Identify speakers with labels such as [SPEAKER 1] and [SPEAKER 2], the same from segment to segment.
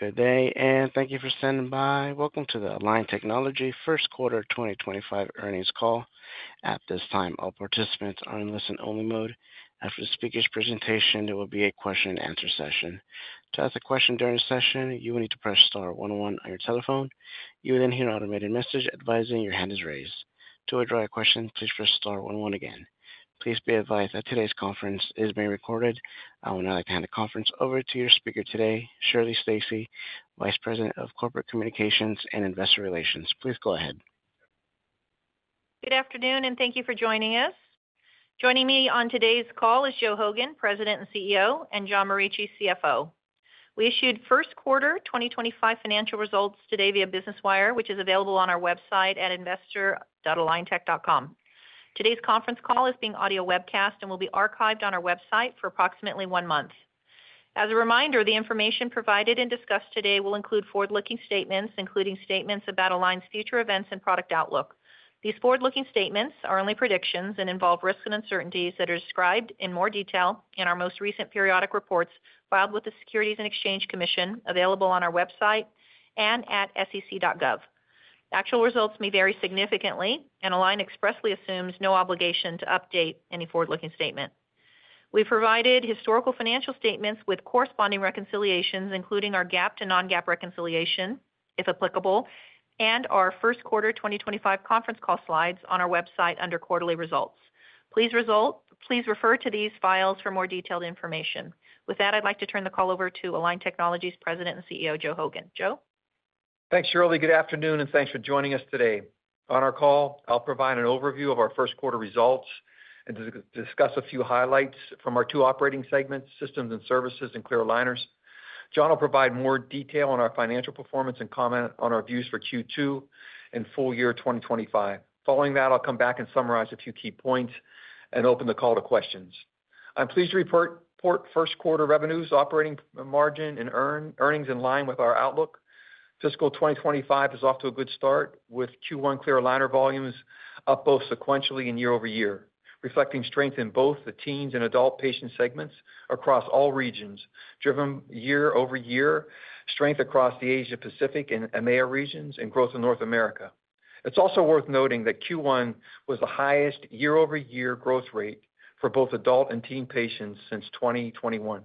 [SPEAKER 1] Good day, and thank you for standing by. Welcome to the Align Technology First Quarter 2025 Earnings Call. At this time, all participants are in listen-only mode. After the speaker's presentation, there will be a question-and-answer session. To ask a question during the session, you will need to press star one one on your telephone. You will then hear an automated message advising your hand is raised. To withdraw your question, please press star one one again. Please be advised that today's conference is being recorded. I will now like to hand the conference over to your speaker today, Shirley Stacy, Vice President of Corporate Communications and Investor Relations. Please go ahead.
[SPEAKER 2] Good afternoon, and thank you for joining us. Joining me on today's call is Joe Hogan, President and CEO, and John Morici, CFO. We issued first quarter 2025 financial results today via Business Wire, which is available on our website at investor.aligntech.com. Today's conference call is being audio webcast and will be archived on our website for approximately one month. As a reminder, the information provided and discussed today will include forward-looking statements, including statements about Align's future events and product outlook. These forward-looking statements are only predictions and involve risks and uncertainties that are described in more detail in our most recent periodic reports filed with the Securities and Exchange Commission, available on our website and at sec.gov. Actual results may vary significantly, and Align expressly assumes no obligation to update any forward-looking statement. We've provided historical financial statements with corresponding reconciliations, including our GAAP to non-GAAP reconciliation if applicable, and our first quarter 2025 conference call slides on our website under quarterly results. Please refer to these files for more detailed information. With that, I'd like to turn the call over to Align Technology's President and CEO, Joe Hogan. Joe?
[SPEAKER 3] Thanks, Shirley. Good afternoon, and thanks for joining us today. On our call, I'll provide an overview of our first quarter results and discuss a few highlights from our two operating segments, Systems and Services and Clear Aligners. John will provide more detail on our financial performance and comment on our views for Q2 and full year 2025. Following that, I'll come back and summarize a few key points and open the call to questions. I'm pleased to report first quarter revenues, operating margin, and earnings in line with our outlook. Fiscal 2025 is off to a good start with Q1 Clear Aligner volumes up both sequentially and year-over-year, reflecting strength in both the teens and adult patient segments across all regions, driven year-over-year strength across the Asia-Pacific and EMEA regions, and growth in North America. It's also worth noting that Q1 was the highest year-over-year growth rate for both adult and teen patients since 2021.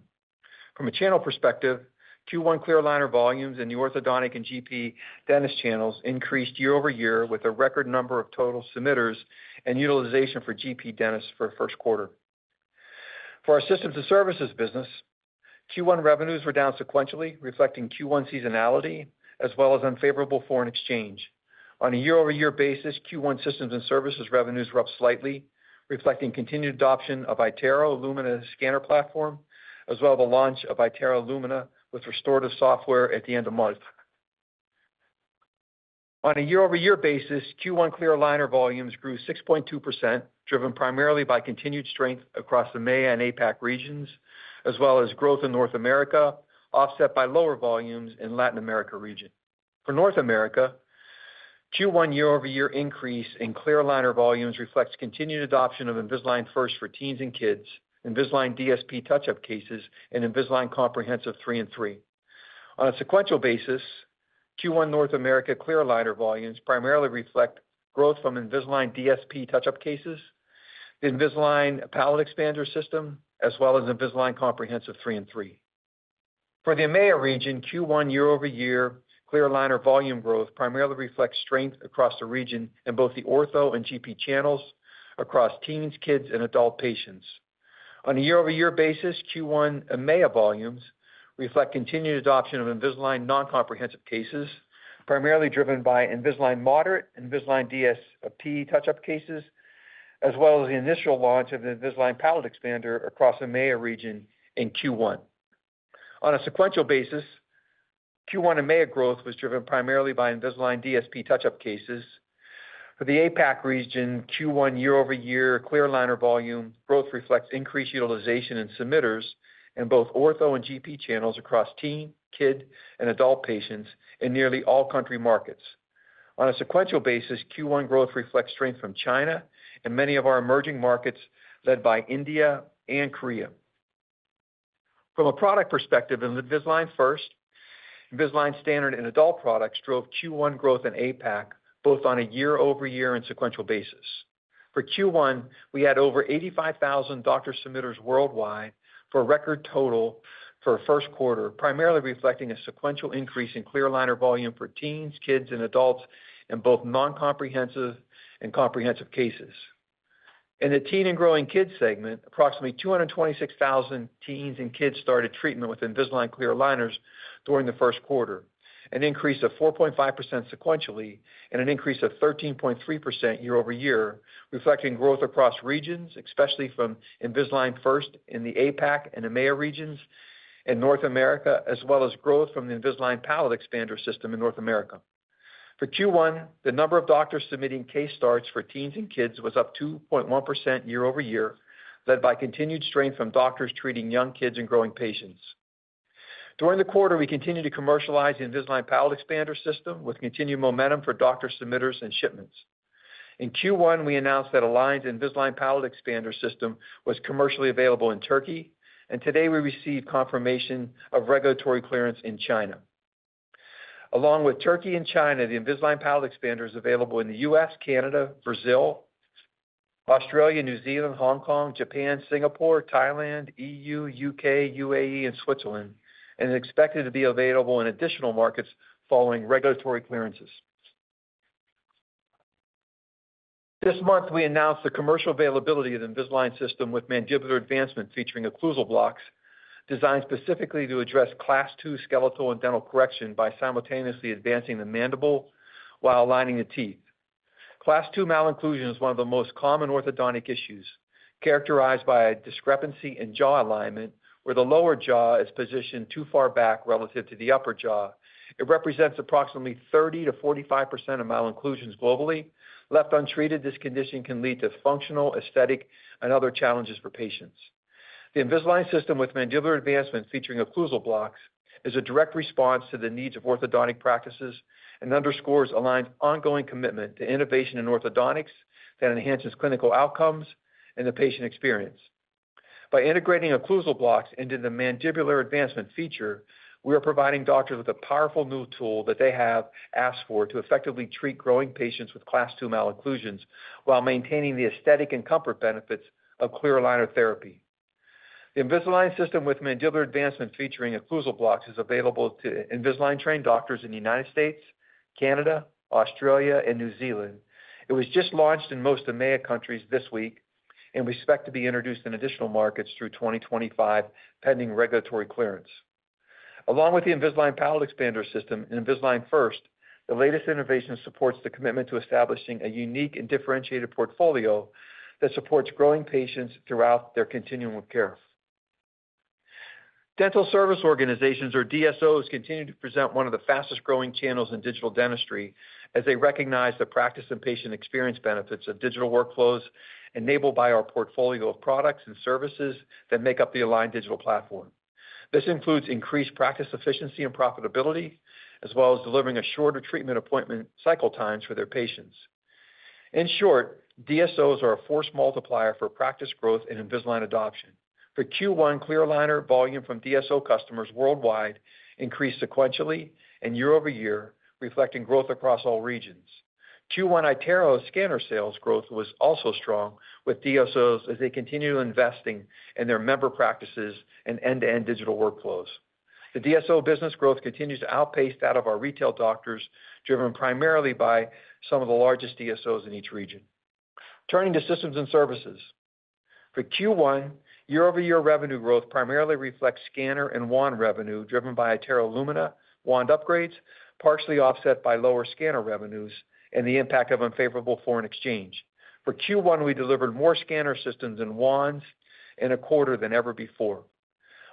[SPEAKER 3] From a channel perspective, Q1 Clear Aligner volumes in the orthodontic and GP dentist channels increased year-over-year with a record number of total submitters and utilization for GP dentists for first quarter. For our Systems and Services business, Q1 revenues were down sequentially, reflecting Q1 seasonality as well as unfavorable foreign exchange. On a year-over-year basis, Q1 Systems and Services revenues were up slightly, reflecting continued adoption of iTero Lumina scanner platform, as well as the launch of iTero Lumina with restorative software at the end of month. On a year-over-year basis, Q1 Clear Aligner volumes grew 6.2%, driven primarily by continued strength across the EMEA and APAC regions, as well as growth in North America, offset by lower volumes in Latin America region. For North America, Q1 year-over-year increase in Clear Aligner volumes reflects continued adoption of Invisalign First for teens and kids, Invisalign DSP Touch-Up cases, and Invisalign Comprehensive 3-and-3. On a sequential basis, Q1 North America Clear Aligner volumes primarily reflect growth from Invisalign DSP Touch-Up cases, Invisalign Palatal Expander System, as well as Invisalign Comprehensive 3-and-3. For the EMEA region, Q1 year-over-year Clear Aligner volume growth primarily reflects strength across the region in both the ortho and GP channels across teens, kids, and adult patients. On a year-over-year basis, Q1 EMEA volumes reflect continued adoption of Invisalign non-comprehensive cases, primarily driven by Invisalign Moderate and Invisalign DSP Touch-Up cases, as well as the initial launch of the Invisalign Palatal Expander across the EMEA region in Q1. On a sequential basis, Q1 EMEA growth was driven primarily by Invisalign DSP Touch-Up cases. For the APAC region, Q1 year-over-year Clear Aligner volume growth reflects increased utilization and submitters in both ortho and GP channels across teen, kid, and adult patients in nearly all country markets. On a sequential basis, Q1 growth reflects strength from China and many of our emerging markets led by India and Korea. From a product perspective, Invisalign First, Invisalign Standard, and adult products drove Q1 growth in APAC both on a year-over-year and sequential basis. For Q1, we had over 85,000 doctor submitters worldwide for a record total for first quarter, primarily reflecting a sequential increase in Clear Aligner volume for teens, kids, and adults in both non-comprehensive and comprehensive cases. In the teen and growing kids segment, approximately 226,000 teens and kids started treatment with Invisalign Clear Aligners during the first quarter, an increase of 4.5% sequentially and an increase of 13.3% year-over-year, reflecting growth across regions, especially from Invisalign First in the APAC and EMEA regions in North America, as well as growth from the Invisalign Palatal Expander System in North America. For Q1, the number of doctors submitting case starts for teens and kids was up 2.1% year-over-year, led by continued strength from doctors treating young kids and growing patients. During the quarter, we continued to commercialize the Invisalign Palatal Expander System with continued momentum for doctor submitters and shipments. In Q1, we announced that Align's Invisalign Palatal Expander System was commercially available in Turkey, and today we received confirmation of regulatory clearance in China. Along with Turkey and China, the Invisalign Palatal Expander is available in the U.S., Canada, Brazil, Australia, New Zealand, Hong Kong, Japan, Singapore, Thailand, EU, U.K., UAE, and Switzerland, and is expected to be available in additional markets following regulatory clearances. This month, we announced the commercial availability of the Invisalign System with Mandibular Advancement featuring Occlusal Blocks designed specifically to address Class II skeletal and dental correction by simultaneously advancing the mandible while aligning the teeth. Class II malocclusion is one of the most common orthodontic issues characterized by a discrepancy in jaw alignment, where the lower jaw is positioned too far back relative to the upper jaw. It represents approximately 30%-45% of malocclusions globally. Left untreated, this condition can lead to functional, aesthetic, and other challenges for patients. The Invisalign System with Mandibular Advancement featuring Occlusal Blocks is a direct response to the needs of orthodontic practices and underscores Align's ongoing commitment to innovation in orthodontics that enhances clinical outcomes and the patient experience. By integrating Occlusal Blocks into the Mandibular Advancement feature, we are providing doctors with a powerful new tool that they have asked for to effectively treat growing patients with Class II malocclusions while maintaining the aesthetic and comfort benefits of Clear Aligner therapy. The Invisalign System with Mandibular Advancement featuring Occlusal Blocks is available to Invisalign-trained doctors in the United States, Canada, Australia, and New Zealand. It was just launched in most EMEA countries this week and we expect to be introduced in additional markets through 2025 pending regulatory clearance. Along with the Invisalign Palatal Expander System and Invisalign First, the latest innovation supports the commitment to establishing a unique and differentiated portfolio that supports growing patients throughout their continuum of care. Dental service organizations, or DSOs, continue to present one of the fastest-growing channels in digital dentistry as they recognize the practice and patient experience benefits of digital workflows enabled by our portfolio of products and services that make up the Align Digital Platform. This includes increased practice efficiency and profitability, as well as delivering shorter treatment appointment cycle times for their patients. In short, DSOs are a force multiplier for practice growth and Invisalign adoption. For Q1, Clear Aligner volume from DSO customers worldwide increased sequentially and year-over-year, reflecting growth across all regions. Q1 iTero scanner sales growth was also strong with DSOs as they continue investing in their member practices and end-to-end digital workflows. The DSO business growth continues to outpace that of our retail doctors, driven primarily by some of the largest DSOs in each region. Turning to Systems and Services, for Q1, year-over-year revenue growth primarily reflects scanner and wand revenue driven by iTero Lumina wand upgrades, partially offset by lower scanner revenues and the impact of unfavorable foreign exchange. For Q1, we delivered more scanner systems and wands in a quarter than ever before.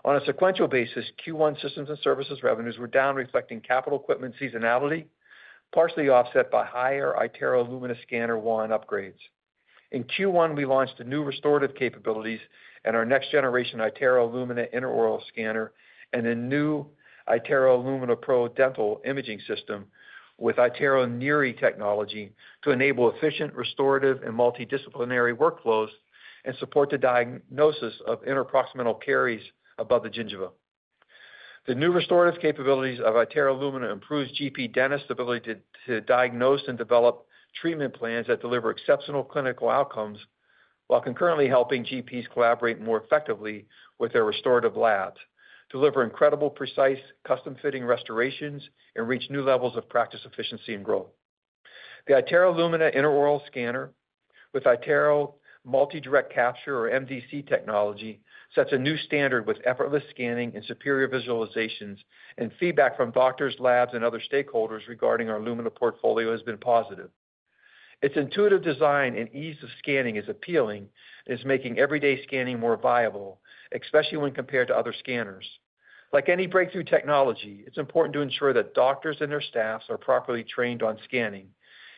[SPEAKER 3] On a sequential basis, Q1 Systems and Services revenues were down, reflecting capital equipment seasonality, partially offset by higher iTero Lumina scanner wand upgrades. In Q1, we launched the new restorative capabilities and our next-generation iTero Lumina intraoral scanner and the new iTero Lumina Pro dental imaging system with iTero NIRI technology to enable efficient restorative and multidisciplinary workflows and support the diagnosis of interproximal caries above the gingiva. The new restorative capabilities of iTero Lumina improve GP dentists' ability to diagnose and develop treatment plans that deliver exceptional clinical outcomes while concurrently helping GPs collaborate more effectively with their restorative labs, deliver incredible, precise, custom-fitting restorations, and reach new levels of practice efficiency and growth. The iTero Lumina intraoral scanner with iTero Multi-Direct Capture, or MDC, technology sets a new standard with effortless scanning and superior visualizations, and feedback from doctors, labs, and other stakeholders regarding our Lumina portfolio has been positive. Its intuitive design and ease of scanning is appealing and is making everyday scanning more viable, especially when compared to other scanners. Like any breakthrough technology, it's important to ensure that doctors and their staff are properly trained on scanning.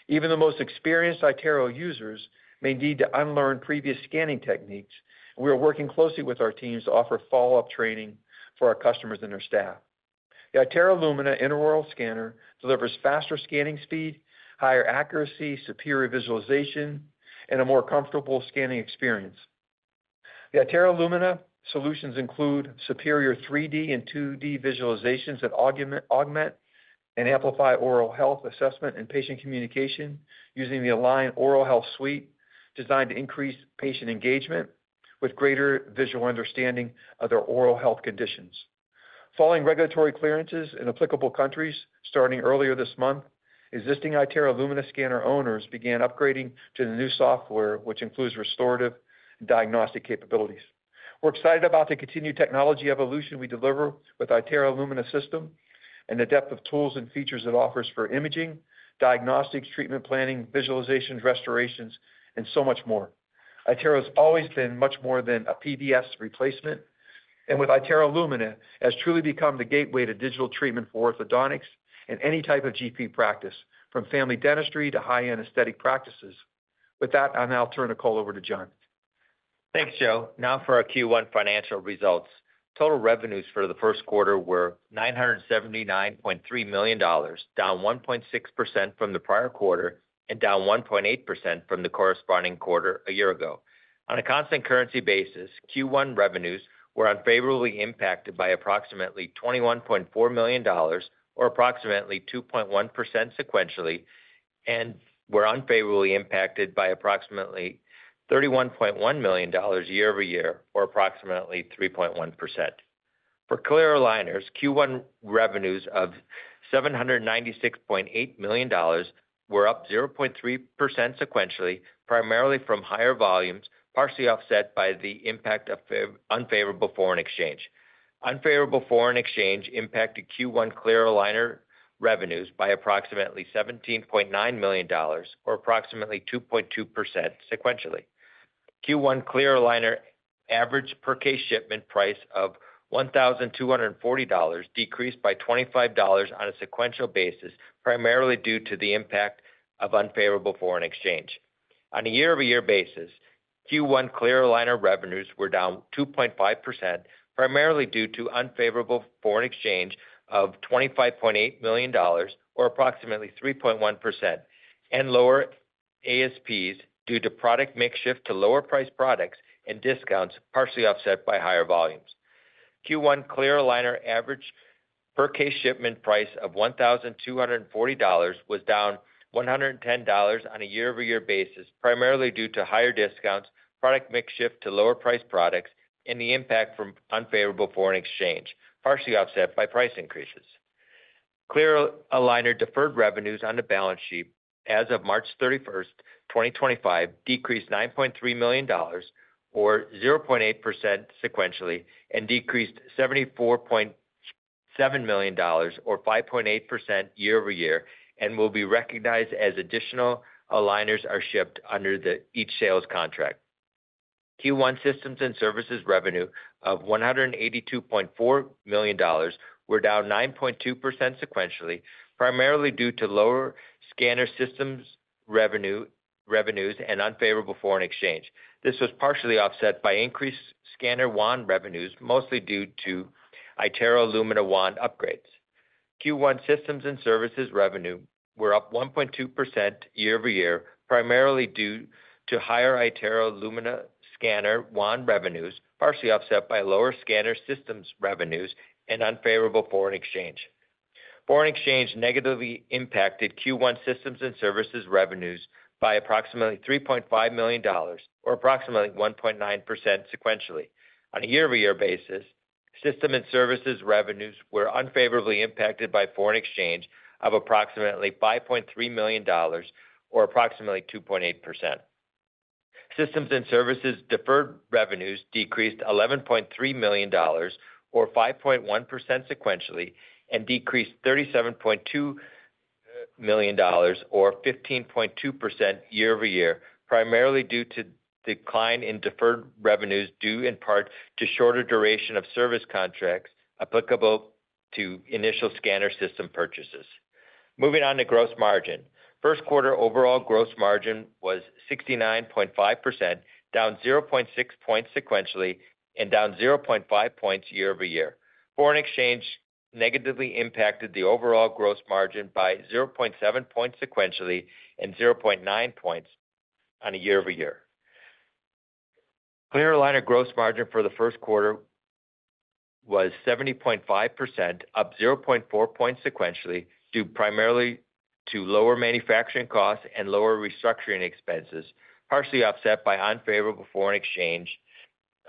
[SPEAKER 3] Even the most experienced iTero users may need to unlearn previous scanning techniques, and we are working closely with our teams to offer follow-up training for our customers and their staff. The iTero Lumina intraoral scanner delivers faster scanning speed, higher accuracy, superior visualization, and a more comfortable scanning experience. The iTero Lumina solutions include superior 3D and 2D visualizations that augment and amplify oral health assessment and patient communication using the Align Oral Health Suite, designed to increase patient engagement with greater visual understanding of their oral health conditions. Following regulatory clearances in applicable countries starting earlier this month, existing iTero Lumina scanner owners began upgrading to the new software, which includes restorative and diagnostic capabilities. We're excited about the continued technology evolution we deliver with iTero Lumina system and the depth of tools and features it offers for imaging, diagnostics, treatment planning, visualizations, restorations, and so much more. iTero has always been much more than a PVS replacement, and with iTero Lumina, it has truly become the gateway to digital treatment for orthodontics and any type of GP practice, from family dentistry to high-end aesthetic practices. With that, I'll now turn the call over to John.
[SPEAKER 4] Thanks, Joe. Now for our Q1 financial results. Total revenues for the first quarter were $979.3 million, down 1.6% from the prior quarter and down 1.8% from the corresponding quarter a year ago. On a constant currency basis, Q1 revenues were unfavorably impacted by approximately $21.4 million, or approximately 2.1% sequentially, and were unfavorably impacted by approximately $31.1 million year-over-year, or approximately 3.1%. For Clear Aligners, Q1 revenues of $796.8 million were up 0.3% sequentially, primarily from higher volumes, partially offset by the impact of unfavorable foreign exchange. Unfavorable foreign exchange impacted Q1 Clear Aligner revenues by approximately $17.9 million, or approximately 2.2% sequentially. Q1 Clear Aligner average per case shipment price of $1,240 decreased by $25 on a sequential basis, primarily due to the impact of unfavorable foreign exchange. On a year-over-year basis, Q1 Clear Aligner revenues were down 2.5%, primarily due to unfavorable foreign exchange of $25.8 million, or approximately 3.1%, and lower ASPs due to product mix shift to lower-priced products and discounts, partially offset by higher volumes. Q1 Clear Aligner average per case shipment price of $1,240 was down $110 on a year-over-year basis, primarily due to higher discounts, product mix shift to lower-priced products, and the impact from unfavorable foreign exchange, partially offset by price increases. Clear Aligner deferred revenues on the balance sheet as of March 31st, 2025, decreased $9.3 million, or 0.8% sequentially, and decreased $74.7 million, or 5.8% year-over-year, and will be recognized as additional aligners are shipped under each sales contract. Q1 Systems and Services revenue of $182.4 million were down 9.2% sequentially, primarily due to lower scanner systems revenues and unfavorable foreign exchange. This was partially offset by increased scanner wand revenues, mostly due to iTero Lumina wand upgrades. Q1 Systems and Services revenue were up 1.2% year-over-year, primarily due to higher iTero Lumina scanner wand revenues, partially offset by lower scanner systems revenues and unfavorable foreign exchange. Foreign exchange negatively impacted Q1 Systems and Services revenues by approximately $3.5 million, or approximately 1.9% sequentially. On a year-over-year basis, Systems and Services revenues were unfavorably impacted by foreign exchange of approximately $5.3 million, or approximately 2.8%. Systems and Services deferred revenues decreased $11.3 million, or 5.1% sequentially, and decreased $37.2 million, or 15.2% year-over-year, primarily due to decline in deferred revenues due in part to shorter duration of service contracts applicable to initial scanner system purchases. Moving on to gross margin. First quarter overall gross margin was 69.5%, down 0.6 points sequentially, and down 0.5 points year-over-year. Foreign exchange negatively impacted the overall gross margin by 0.7 points sequentially and 0.9 points on a year-over-year. Clear Aligner gross margin for the first quarter was 70.5%, up 0.4 points sequentially due primarily to lower manufacturing costs and lower restructuring expenses, partially offset by unfavorable foreign exchange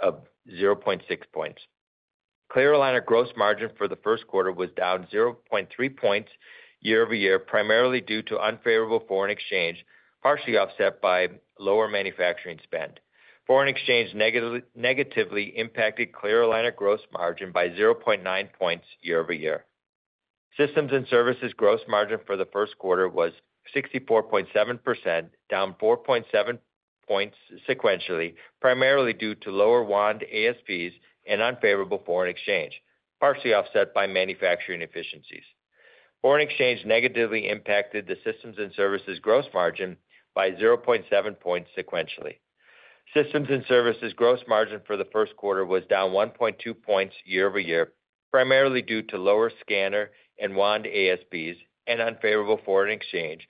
[SPEAKER 4] of 0.6 points. Clear Aligner gross margin for the first quarter was down 0.3 points year-over-year, primarily due to unfavorable foreign exchange, partially offset by lower manufacturing spend. Foreign exchange negatively impacted Clear Aligner gross margin by 0.9 points year-over-year. Systems and Services gross margin for the first quarter was 64.7%, down 4.7 points sequentially, primarily due to lower wand ASPs and unfavorable foreign exchange, partially offset by manufacturing efficiencies. Foreign exchange negatively impacted the Systems and Services gross margin by 0.7 points sequentially. Systems and Services gross margin for the first quarter was down 1.2 points year-over-year, primarily due to lower scanner and wand ASPs and unfavorable foreign exchange,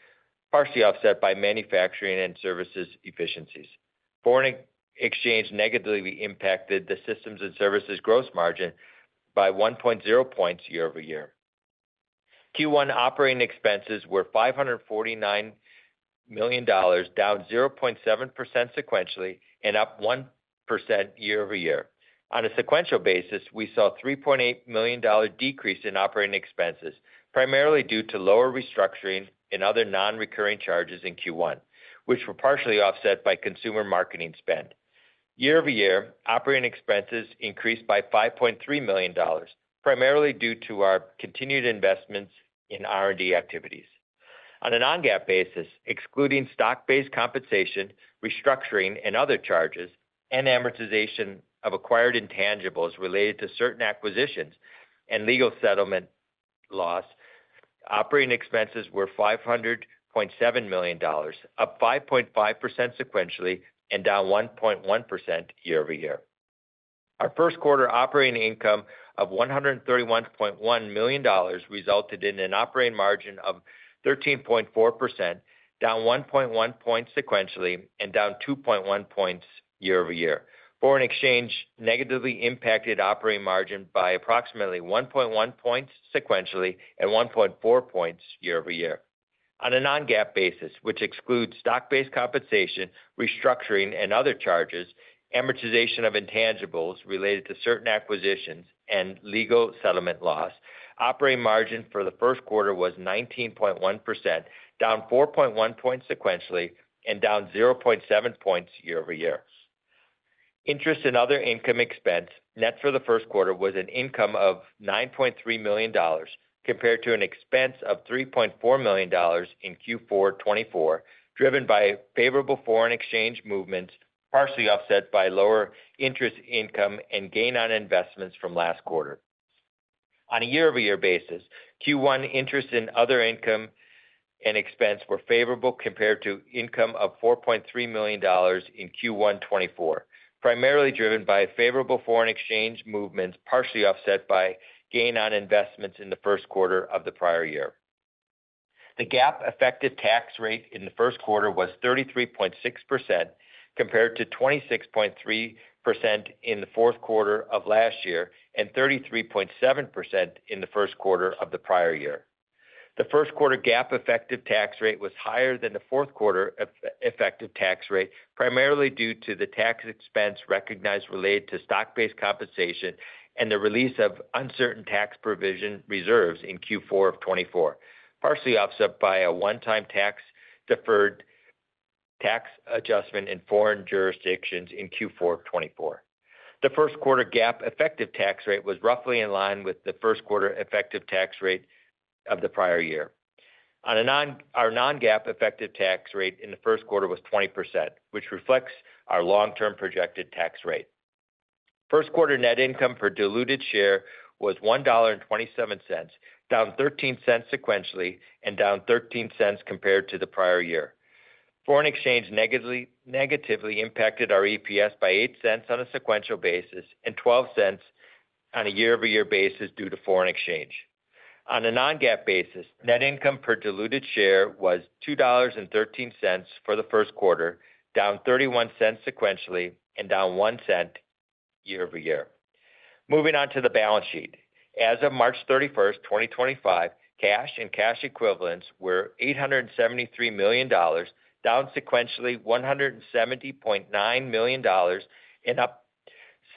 [SPEAKER 4] partially offset by manufacturing and services efficiencies. Foreign exchange negatively impacted the Systems and Services gross margin by 1.0 points year-over-year. Q1 operating expenses were $549 million, down 0.7% sequentially and up 1% year-over-year. On a sequential basis, we saw a $3.8 million decrease in operating expenses, primarily due to lower restructuring and other non-recurring charges in Q1, which were partially offset by consumer marketing spend. Year-over-year, operating expenses increased by $5.3 million, primarily due to our continued investments in R&D activities. On a non-GAAP basis, excluding stock-based compensation, restructuring, and other charges, and amortization of acquired intangibles related to certain acquisitions and legal settlement loss, operating expenses were $500.7 million, up 5.5% sequentially and down 1.1% year-over-year. Our first quarter operating income of $131.1 million resulted in an operating margin of 13.4%, down 1.1 points sequentially and down 2.1 points year-over-year. Foreign exchange negatively impacted operating margin by approximately 1.1 points sequentially and 1.4 points year-over-year. On a non-GAAP basis, which excludes stock-based compensation, restructuring, and other charges, amortization of intangibles related to certain acquisitions, and legal settlement loss, operating margin for the first quarter was 19.1%, down 4.1 points sequentially and down 0.7 points year-over-year. Interest and other income expense, net for the first quarter was an income of $9.3 million, compared to an expense of $3.4 million in Q4 2024, driven by favorable foreign exchange movements, partially offset by lower interest income and gain on investments from last quarter. On a year-over-year basis, Q1 interest and other income and expense were favorable compared to income of $4.3 million in Q1 2024, primarily driven by favorable foreign exchange movements, partially offset by gain on investments in the first quarter of the prior year. The GAAP effective tax rate in the first quarter was 33.6%, compared to 26.3% in the fourth quarter of last year and 33.7% in the first quarter of the prior year. The first quarter GAAP effective tax rate was higher than the fourth quarter effective tax rate, primarily due to the tax expense recognized related to stock-based compensation and the release of uncertain tax provision reserves in Q4 of 2024, partially offset by a one-time tax-deferred tax adjustment in foreign jurisdictions in Q4 of 2024. The first quarter GAAP effective tax rate was roughly in line with the first quarter effective tax rate of the prior year. On a non—our non-GAAP effective tax rate in the first quarter was 20%, which reflects our long-term projected tax rate. First quarter net income per diluted share was $1.27, down $0.13 sequentially and down $0.13 compared to the prior year. Foreign exchange negatively impacted our EPS by $0.08 on a sequential basis and $0.12 on a year-over-year basis due to foreign exchange. On a non-GAAP basis, net income per diluted share was $2.13 for the first quarter, down $0.31 sequentially and down $0.01 year-over-year. Moving on to the balance sheet. As of March 31st, 2025, cash and cash equivalents were $873 million, down sequentially $170.9 million and up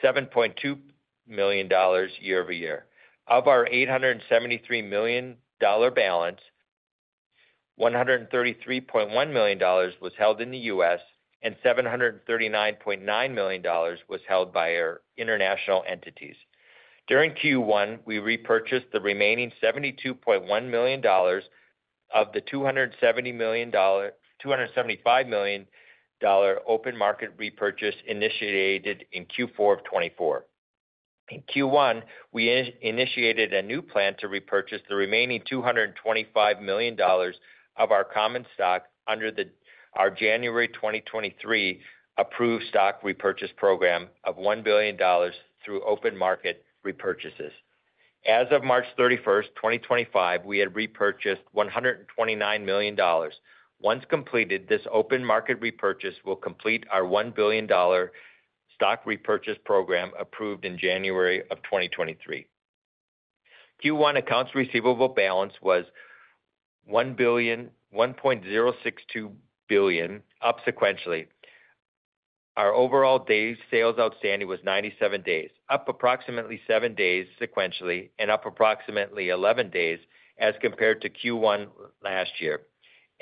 [SPEAKER 4] $7.2 million year-over-year. Of our $873 million balance, $133.1 million was held in the U.S. and $739.9 million was held by our international entities. During Q1, we repurchased the remaining $72.1 million of the $275 million open market repurchase initiated in Q4 of 2024. In Q1, we initiated a new plan to repurchase the remaining $225 million of our common stock under our January 2023 approved stock repurchase program of $1 billion through open market repurchases. As of March 31st, 2025, we had repurchased $129 million. Once completed, this open market repurchase will complete our $1 billion stock repurchase program approved in January of 2023. Q1 accounts receivable balance was $1.062 billion, up sequentially. Our overall Days Sales Outstanding was 97 days, up approximately 7 days sequentially and up approximately 11 days as compared to Q1 last year,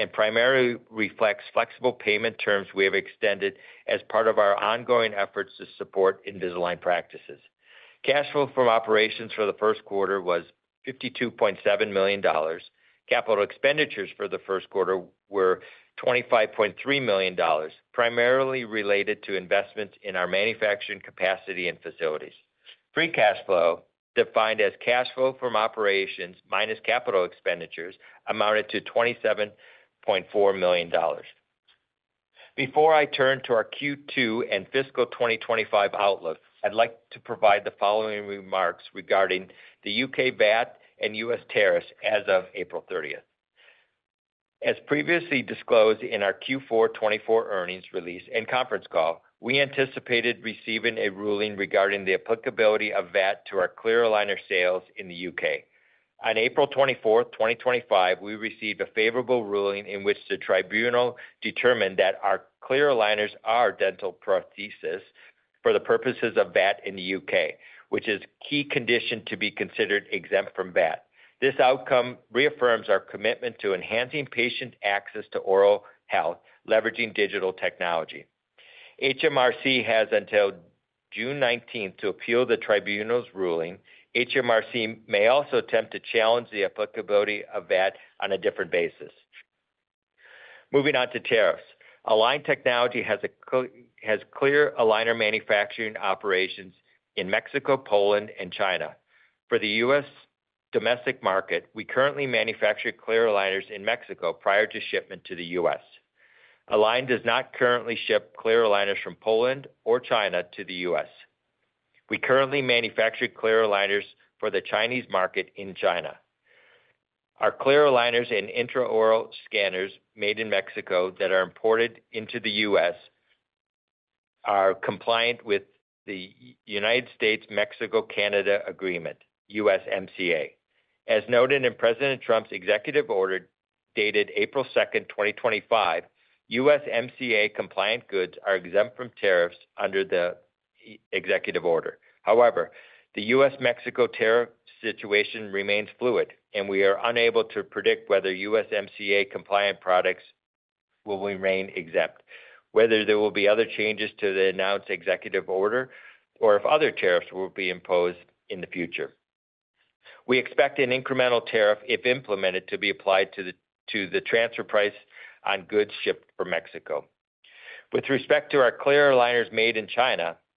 [SPEAKER 4] and primarily reflects flexible payment terms we have extended as part of our ongoing efforts to support Invisalign practices. Cash flow from operations for the first quarter was $52.7 million. Capital expenditures for the first quarter were $25.3 million, primarily related to investments in our manufacturing capacity and facilities. Free cash flow, defined as cash flow from operations minus capital expenditures, amounted to $27.4 million. Before I turn to our Q2 and fiscal 2025 outlook, I'd like to provide the following remarks regarding the U.K. VAT and U.S. tariffs as of April 30th. As previously disclosed in our Q4 2024 earnings release and conference call, we anticipated receiving a ruling regarding the applicability of VAT to our Clear Aligner sales in the U.K. On April 24th, 2025, we received a favorable ruling in which the Tribunal determined that our Clear Aligners are dental prostheses for the purposes of VAT in the U.K., which is a key condition to be considered exempt from VAT. This outcome reaffirms our commitment to enhancing patient access to oral health, leveraging digital technology. HMRC has until June 19th to appeal the Tribunal's ruling. HMRC may also attempt to challenge the applicability of VAT on a different basis. Moving on to tariffs. Align Technology has Clear Aligner manufacturing operations in Mexico, Poland, and China. For the U.S. domestic market, we currently manufacture Clear Aligners in Mexico prior to shipment to the U.S. Align does not currently ship Clear Aligners from Poland or China to the U.S. We currently manufacture Clear Aligners for the Chinese market in China. Our Clear Aligners and intraoral scanners made in Mexico that are imported into the U.S. are compliant with the United States-Mexico-Canada Agreement, USMCA. As noted in President Trump's executive order dated April 2nd, 2025, USMCA-compliant goods are exempt from tariffs under the executive order. However, the U.S.-Mexico tariff situation remains fluid, and we are unable to predict whether USMCA-compliant products will remain exempt, whether there will be other changes to the announced executive order, or if other tariffs will be imposed in the future. We expect an incremental tariff, if implemented, to be applied to the transfer price on goods shipped from Mexico. With respect to our Clear Aligners made in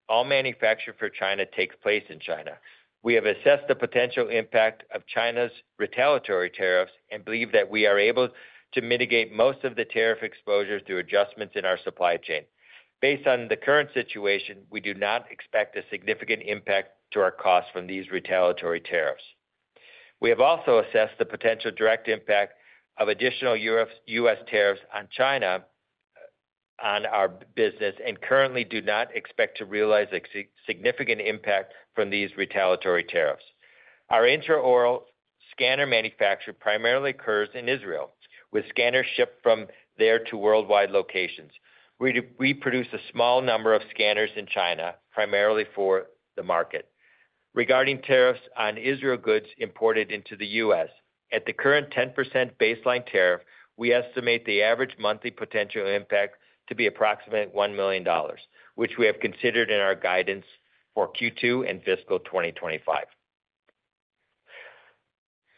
[SPEAKER 4] China, all manufactured for China takes place in China. We have assessed the potential impact of China's retaliatory tariffs and believe that we are able to mitigate most of the tariff exposure through adjustments in our supply chain. Based on the current situation, we do not expect a significant impact to our costs from these retaliatory tariffs. We have also assessed the potential direct impact of additional U.S. tariffs on China on our business and currently do not expect to realize a significant impact from these retaliatory tariffs. Our intraoral scanner manufacture primarily occurs in Israel, with scanners shipped from there to worldwide locations. We produce a small number of scanners in China, primarily for the market. Regarding tariffs on Israel goods imported into the U.S., at the current 10% baseline tariff, we estimate the average monthly potential impact to be approximately $1 million, which we have considered in our guidance for Q2 and fiscal 2025.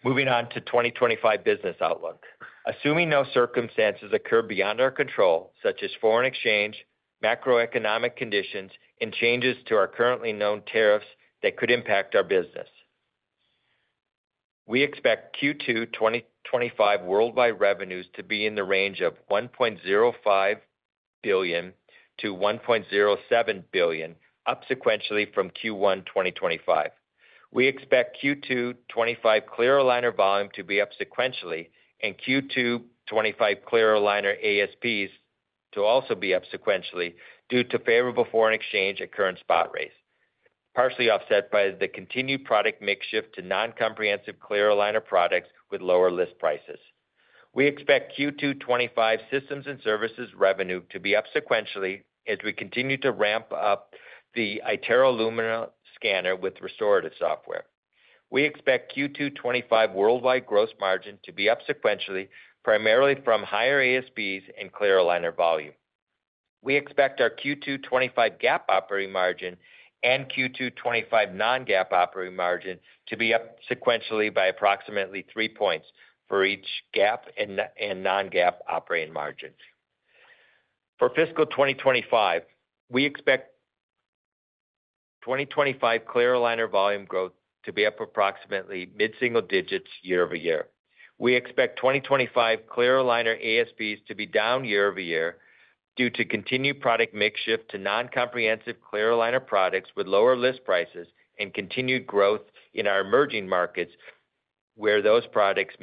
[SPEAKER 4] Moving on to 2025 business outlook. Assuming no circumstances occur beyond our control, such as foreign exchange, macroeconomic conditions, and changes to our currently known tariffs that could impact our business, we expect Q2 2025 worldwide revenues to be in the range of $1.05 billion-$1.07 billion, up sequentially from Q1 2025. We expect Q2 2025 Clear Aligner volume to be up sequentially and Q2 2025 Clear Aligner ASPs to also be up sequentially due to favorable foreign exchange at current spot rates, partially offset by the continued product mix shift to non-comprehensive Clear Aligner products with lower list prices. We expect Q2 2025 Systems and Services revenue to be up sequentially as we continue to ramp up the iTero Lumina scanner with restorative software. We expect Q2 2025 worldwide gross margin to be up sequentially, primarily from higher ASPs and Clear Aligner volume. We expect our Q2 2025 GAAP operating margin and Q2 2025 non-GAAP operating margin to be up sequentially by approximately three points for each GAAP and non-GAAP operating margin. For fiscal 2025, we expect 2025 Clear Aligner volume growth to be up approximately mid-single digits year-over-year. We expect 2025 Clear Aligner ASPs to be down year-over-year due to continued product mix shift to non-comprehensive Clear Aligner products with lower list prices and continued growth in our emerging markets where those products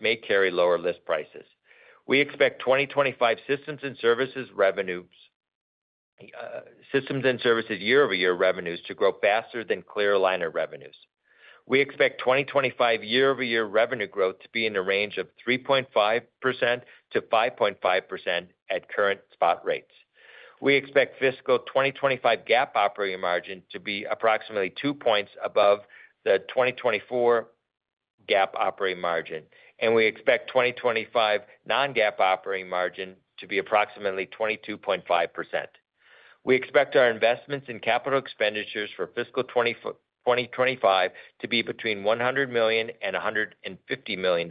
[SPEAKER 4] may carry lower list prices. We expect 2025 Systems and Services revenues, Systems and Services year-over-year revenues to grow faster than Clear Aligner revenues. We expect 2025 year-over-year revenue growth to be in the range of 3.5%-5.5% at current spot rates. We expect fiscal 2025 GAAP operating margin to be approximately two points above the 2024 GAAP operating margin, and we expect 2025 non-GAAP operating margin to be approximately 22.5%. We expect our investments and capital expenditures for fiscal 2025 to be between $100 million and $150 million.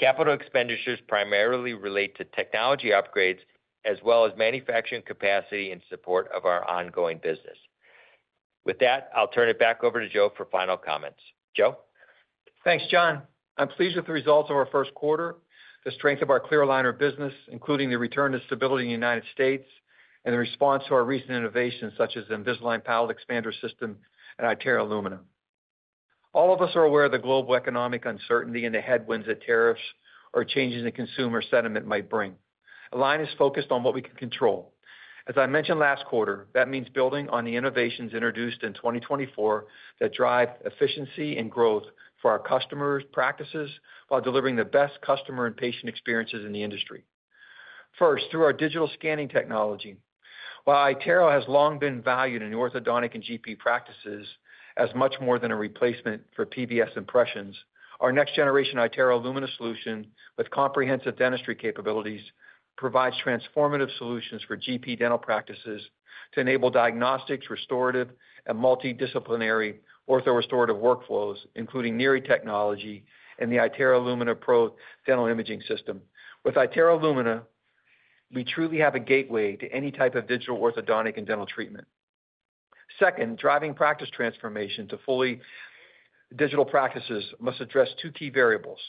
[SPEAKER 4] Capital expenditures primarily relate to technology upgrades as well as manufacturing capacity and support of our ongoing business. With that, I'll turn it back over to Joe for final comments. Joe?
[SPEAKER 3] Thanks, John. I'm pleased with the results of our first quarter, the strength of our Clear Aligner business, including the return to stability in the United States and the response to our recent innovations such as the Invisalign Palatal Expander System and iTero Lumina. All of us are aware of the global economic uncertainty and the headwinds that tariffs or changes in consumer sentiment might bring. Align is focused on what we can control. As I mentioned last quarter, that means building on the innovations introduced in 2024 that drive efficiency and growth for our customers' practices while delivering the best customer and patient experiences in the industry. First, through our digital scanning technology. While iTero has long been valued in orthodontic and GP practices as much more than a replacement for PVS impressions, our next-generation iTero Lumina solution with comprehensive dentistry capabilities provides transformative solutions for GP dental practices to enable diagnostics, restorative, and multidisciplinary orthorestorative workflows, including NIRI technology and the iTero Lumina Pro dental imaging system. With iTero Lumina, we truly have a gateway to any type of digital orthodontic and dental treatment. Second, driving practice transformation to fully digital practices must address two key variables: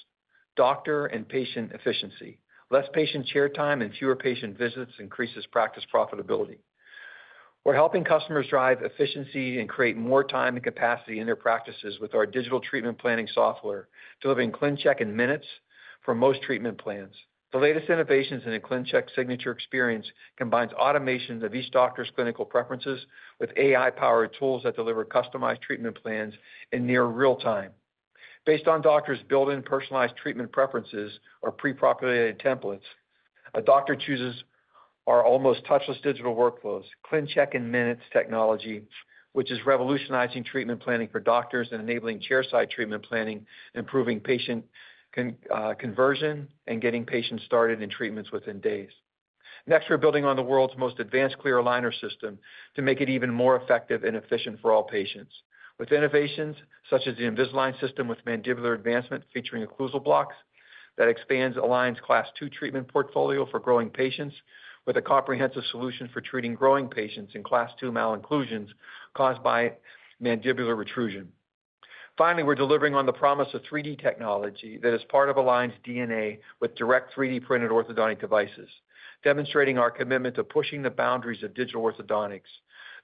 [SPEAKER 3] doctor and patient efficiency. Less patient chair time and fewer patient visits increases practice profitability. We're helping customers drive efficiency and create more time and capacity in their practices with our digital treatment planning software, delivering ClinCheck in minutes for most treatment plans. The latest innovations in a ClinCheck signature experience combines automation of each doctor's clinical preferences with AI-powered tools that deliver customized treatment plans in near real time. Based on doctors' built-in personalized treatment preferences or pre-populated templates, a doctor chooses our almost touchless digital workflows, ClinCheck in minutes technology, which is revolutionizing treatment planning for doctors and enabling chairside treatment planning, improving patient conversion, and getting patients started in treatments within days. Next, we're building on the world's most advanced Clear Aligner system to make it even more effective and efficient for all patients. With innovations such as the Invisalign System with Mandibular Advancement featuring Occlusal Blocks that expands Align's Class II treatment portfolio for growing patients with a comprehensive solution for treating growing patients in Class II malocclusions caused by mandibular retrusion. Finally, we're delivering on the promise of 3D technology that is part of Align's DNA with direct 3D printed orthodontic devices, demonstrating our commitment to pushing the boundaries of digital orthodontics.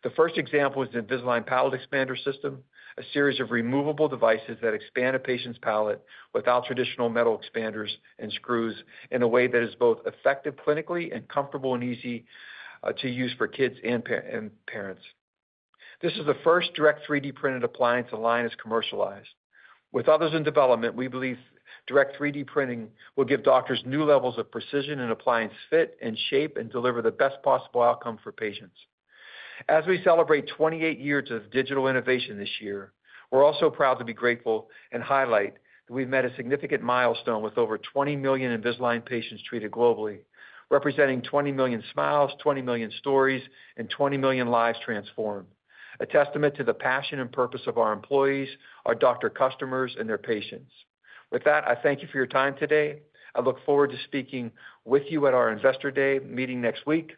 [SPEAKER 3] The first example is the Invisalign Palatal Expander System, a series of removable devices that expand a patient's palate without traditional metal expanders and screws in a way that is both effective clinically and comfortable and easy to use for kids and parents. This is the first direct 3D printed appliance Align has commercialized. With others in development, we believe direct 3D printing will give doctors new levels of precision and appliance fit and shape and deliver the best possible outcome for patients. As we celebrate 28 years of digital innovation this year, we're also proud to be grateful and highlight that we've met a significant milestone with over 20 million Invisalign patients treated globally, representing 20 million smiles, 20 million stories, and 20 million lives transformed. A testament to the passion and purpose of our employees, our doctor customers, and their patients. With that, I thank you for your time today. I look forward to speaking with you at our Investor Day meeting next week.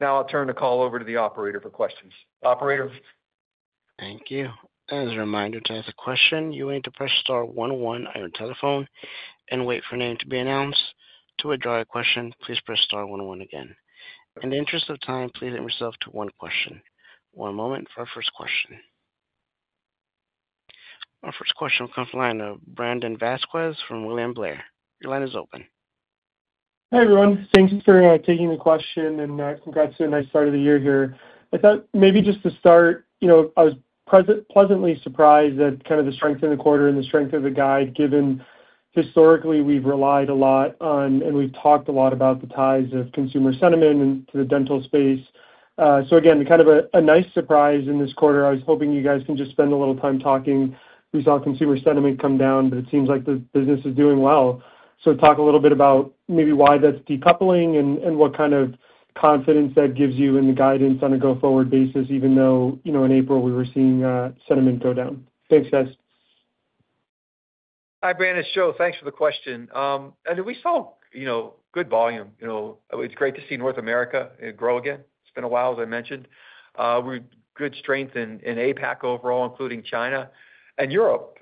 [SPEAKER 3] Now I'll turn the call over to the operator for questions. Operator.
[SPEAKER 1] Thank you. As a reminder, to ask a question, you will need to press star one one on your telephone and wait for a name to be announced. To withdraw your question, please press star one one again. In the interest of time, please limit yourself to one question. One moment for our first question. Our first question will come from Brandon Vazquez from William Blair. Your line is open.
[SPEAKER 5] Hi everyone. Thank you for taking the question and congrats to a nice start of the year here. I thought maybe just to start, I was pleasantly surprised at kind of the strength in the quarter and the strength of the guide given historically we've relied a lot on and we've talked a lot about the ties of consumer sentiment to the dental space. Again, kind of a nice surprise in this quarter. I was hoping you guys can just spend a little time talking. We saw consumer sentiment come down, but it seems like the business is doing well. Talk a little bit about maybe why that's decoupling and what kind of confidence that gives you in the guidance on a go-forward basis, even though in April we were seeing sentiment go down? Thanks, guys.
[SPEAKER 3] Hi, Brandon. It's Joe. Thanks for the question. We saw good volume. It's great to see North America grow again. It's been a while, as I mentioned. We are good strength in APAC overall, including China and Europe.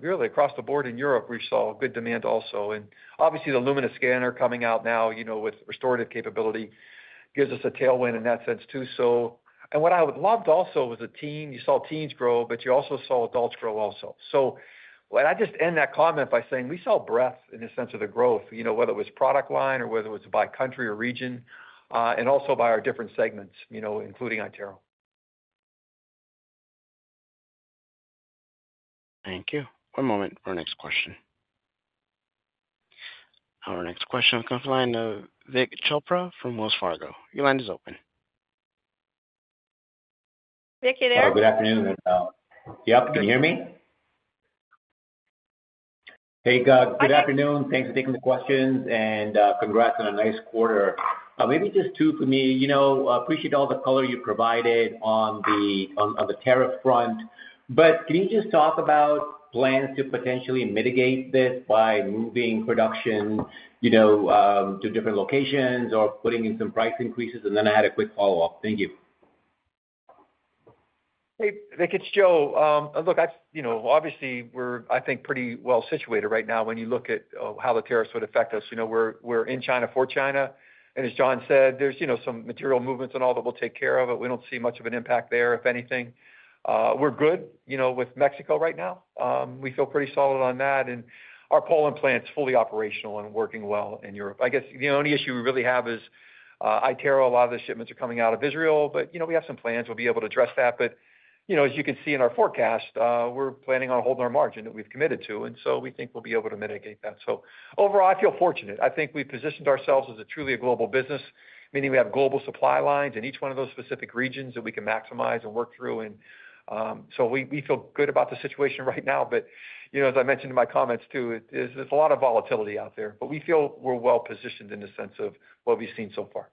[SPEAKER 3] Really, across the board in Europe, we saw good demand also. Obviously, the Lumina scanner coming out now with restorative capability gives us a tailwind in that sense too. What I would love to also was a teen. You saw teens grow, but you also saw adults grow also. I just end that comment by saying we saw breadth in the sense of the growth, whether it was product line or whether it was by country or region, and also by our different segments, including iTero.
[SPEAKER 1] Thank you. One moment for our next question. Our next question will come from Vik Chopra from Wells Fargo. Your line is open. Vik, you there?
[SPEAKER 6] Hi, good afternoon. Yep, can you hear me? Hey, good afternoon. Thanks for taking the questions and congrats on a nice quarter. Maybe just two for me. I appreciate all the color you provided on the tariff front, but can you just talk about plans to potentially mitigate this by moving production to different locations or putting in some price increases? I had a quick follow-up. Thank you.
[SPEAKER 3] Hey, Vik, it's Joe. Look, obviously, we're, I think, pretty well situated right now when you look at how the tariffs would affect us. We're in China for China. As John said, there's some material movements and all that we'll take care of, but we don't see much of an impact there, if anything. We're good with Mexico right now. We feel pretty solid on that. Our Poland plant's fully operational and working well in Europe. I guess the only issue we really have is iTero, a lot of the shipments are coming out of Israel, but we have some plans. We'll be able to address that. As you can see in our forecast, we're planning on holding our margin that we've committed to. We think we'll be able to mitigate that. Overall, I feel fortunate. I think we've positioned ourselves as truly a global business, meaning we have global supply lines in each one of those specific regions that we can maximize and work through. We feel good about the situation right now. As I mentioned in my comments too, there's a lot of volatility out there, but we feel we're well positioned in the sense of what we've seen so far.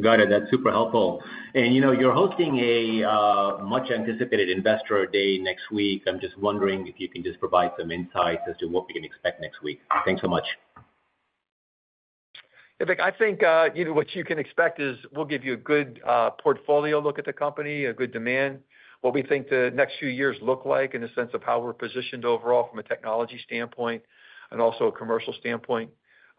[SPEAKER 6] Got it. That's super helpful. You're hosting a much-anticipated Investor Day next week. I'm just wondering if you can just provide some insights as to what we can expect next week. Thanks so much.
[SPEAKER 3] Yeah, Vik, I think what you can expect is we'll give you a good portfolio look at the company, a good demand, what we think the next few years look like in the sense of how we're positioned overall from a technology standpoint and also a commercial standpoint.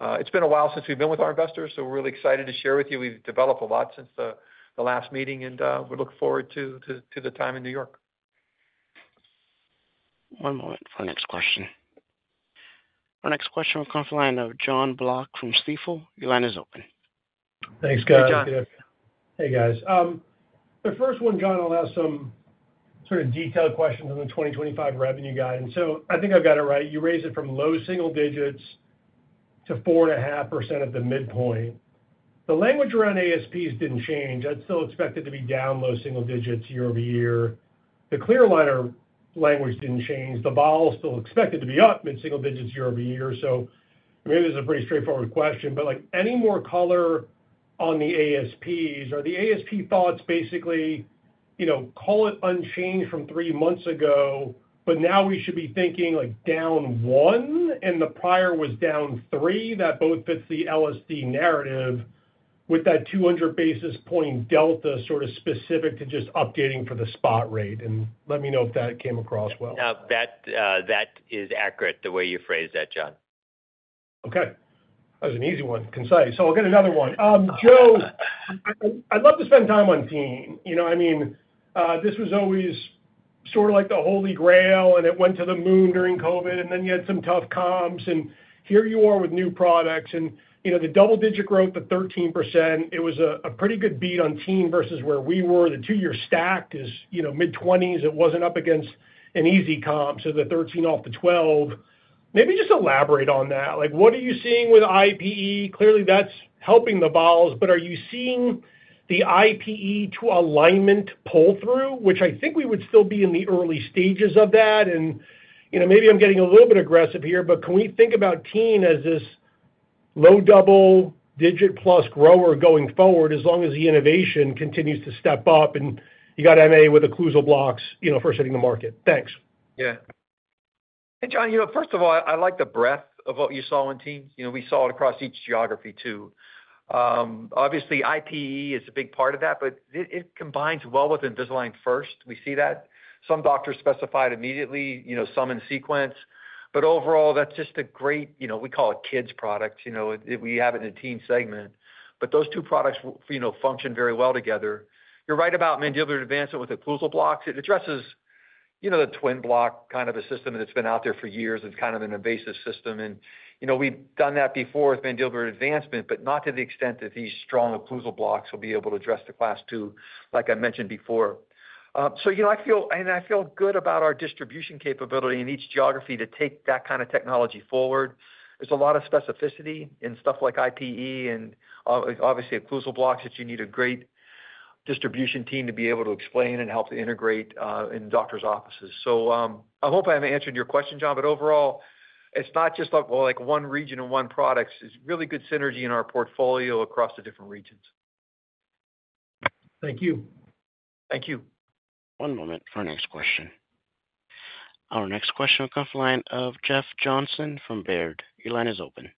[SPEAKER 3] It's been a while since we've been with our investors, so we're really excited to share with you. We've developed a lot since the last meeting, and we're looking forward to the time in New York.
[SPEAKER 1] One moment for our next question. Our next question will come from the line, Jon Block from Stifel. Your line is open.
[SPEAKER 7] Thanks, guys.
[SPEAKER 3] Hey, John.
[SPEAKER 7] Hey, guys. The first one, Jon, I'll ask some sort of detailed questions on the 2025 revenue guide. And so I think I've got it right. You raised it from low single digits to 4.5% at the midpoint. The language around ASPs did not change. That is still expected to be down low single digits year-over-year. The Clear Aligner language did not change. The volume is still expected to be up mid-single digits year-over-year. Maybe this is a pretty straightforward question, but any more color on the ASPs? Are the ASP thoughts basically, call it unchanged from three months ago, but now we should be thinking down one and the prior was down three? That both fits the LSD narrative with that 200 basis point delta, sort of specific to just updating for the spot rate. Let me know if that came across well. That is accurate the way you phrased that, Jon.
[SPEAKER 4] Okay. That was an easy one. Concise. I will get another one. Joe, I would love to spend time on teen. I mean, this was always sort of like the Holy Grail, and it went to the moon during COVID, and then you had some tough comps. Here you are with new products. The double-digit growth, the 13%, it was a pretty good beat on teen versus where we were. The two-year stack is mid-20s. It was not up against an easy comp, so the 13 off the 12. Maybe just elaborate on that. What are you seeing with IPE? Clearly, that is helping the volumes, but are you seeing the IPE to alignment pull through, which I think we would still be in the early stages of that? Maybe I'm getting a little bit aggressive here, but can we think about teen as this low double-digit plus grower going forward as long as the innovation continues to step up and you got MA with Occlusal Blocks first hitting the market? Thanks.
[SPEAKER 3] Yeah. Hey, Jon. First of all, I like the breadth of what you saw in teens. We saw it across each geography too. Obviously, IPE is a big part of that, but it combines well with Invisalign First. We see that. Some doctors specified immediately, some in sequence. Overall, that's just a great—we call it kids' products. We have it in the teen segment. Those two products function very well together. You're right about Mandibular Advancement with Occlusal Blocks. It addresses the Twin Block kind of a system that's been out there for years. It's kind of an invasive system. We've done that before with Mandibular Advancement, but not to the extent that these strong Occlusal Blocks will be able to address the Class II, like I mentioned before. I feel good about our distribution capability in each geography to take that kind of technology forward. There's a lot of specificity in stuff like IPE and obviously Occlusal Blocks that you need a great distribution team to be able to explain and help to integrate in doctors' offices. I hope I have answered your question, Jon, but overall, it's not just like one region and one product. It's really good synergy in our portfolio across the different regions.
[SPEAKER 7] Thank you.
[SPEAKER 1] Thank you. One moment for our next question. Our next question will come from Jeff Johnson from Baird. Your line is open.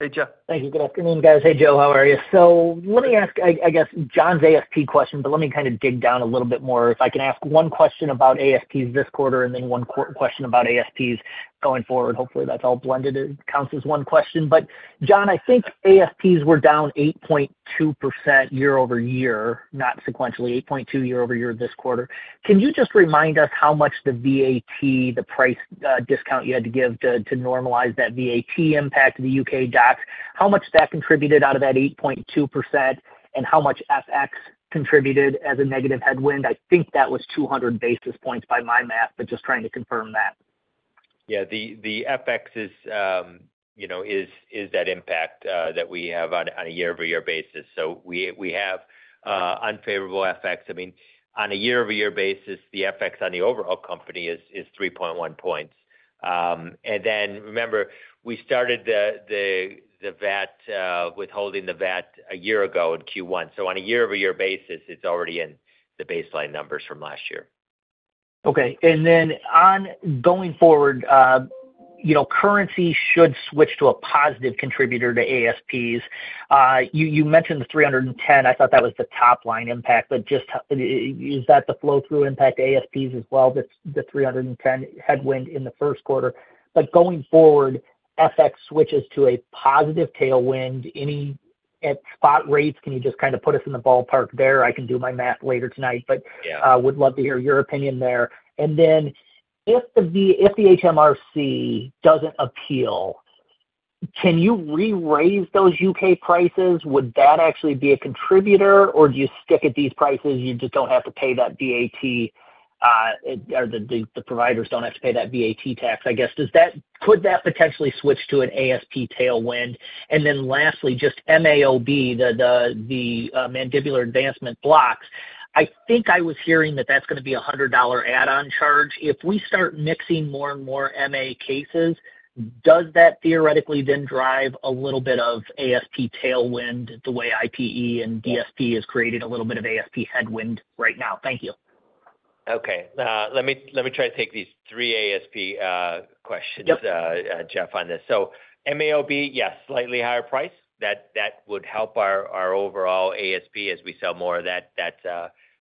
[SPEAKER 3] Hey, Jeff.
[SPEAKER 8] Thank you. Good afternoon, guys. Hey, Joe. How are you? Let me ask, I guess, John's ASP question, but let me kind of dig down a little bit more. If I can ask one question about ASPs this quarter and then one question about ASPs going forward, hopefully that's all blended and counts as one question. John, I think ASPs were down 8.2% year-over-year, not sequentially, 8.2% year-over-year this quarter. Can you just remind us how much the VAT, the price discount you had to give to normalize that VAT impact to the U.K. docs, how much that contributed out of that 8.2% and how much FX contributed as a negative headwind? I think that was 200 basis points by my math, but just trying to confirm that.
[SPEAKER 4] Yeah, the FX is that impact that we have on a year-over-year basis. We have unfavorable FX. I mean, on a year-over-year basis, the FX on the overall company is 3.1 points. Remember, we started the VAT, withholding the VAT, a year ago in Q1. On a year-over-year basis, it is already in the baseline numbers from last year.
[SPEAKER 8] Okay. Going forward, currency should switch to a positive contributor to ASPs. You mentioned the 0.031. I thought that was the top line impact, but is that the flow-through impact to ASPs as well, the 0.031 headwind in the first quarter? Going forward, FX switches to a positive tailwind. Any spot rates, can you just kind of put us in the ballpark there? I can do my math later tonight, but would love to hear your opinion there. If the HMRC does not appeal, can you re-raise those U.K. prices? Would that actually be a contributor, or do you stick at these prices? You just do not have to pay that VAT, or the providers do not have to pay that VAT tax, I guess. Could that potentially switch to an ASP tailwind? Lastly, just MAOB, the Mandibular Advancement blocks. I think I was hearing that that is going to be a $100 add-on charge. If we start mixing more and more MA cases, does that theoretically then drive a little bit of ASP tailwind the way IPE and DSP has created a little bit of ASP headwind right now? Thank you.
[SPEAKER 4] Okay. Let me try to take these three ASP questions, Jeff, on this. MAOB, yes, slightly higher price. That would help our overall ASP as we sell more of that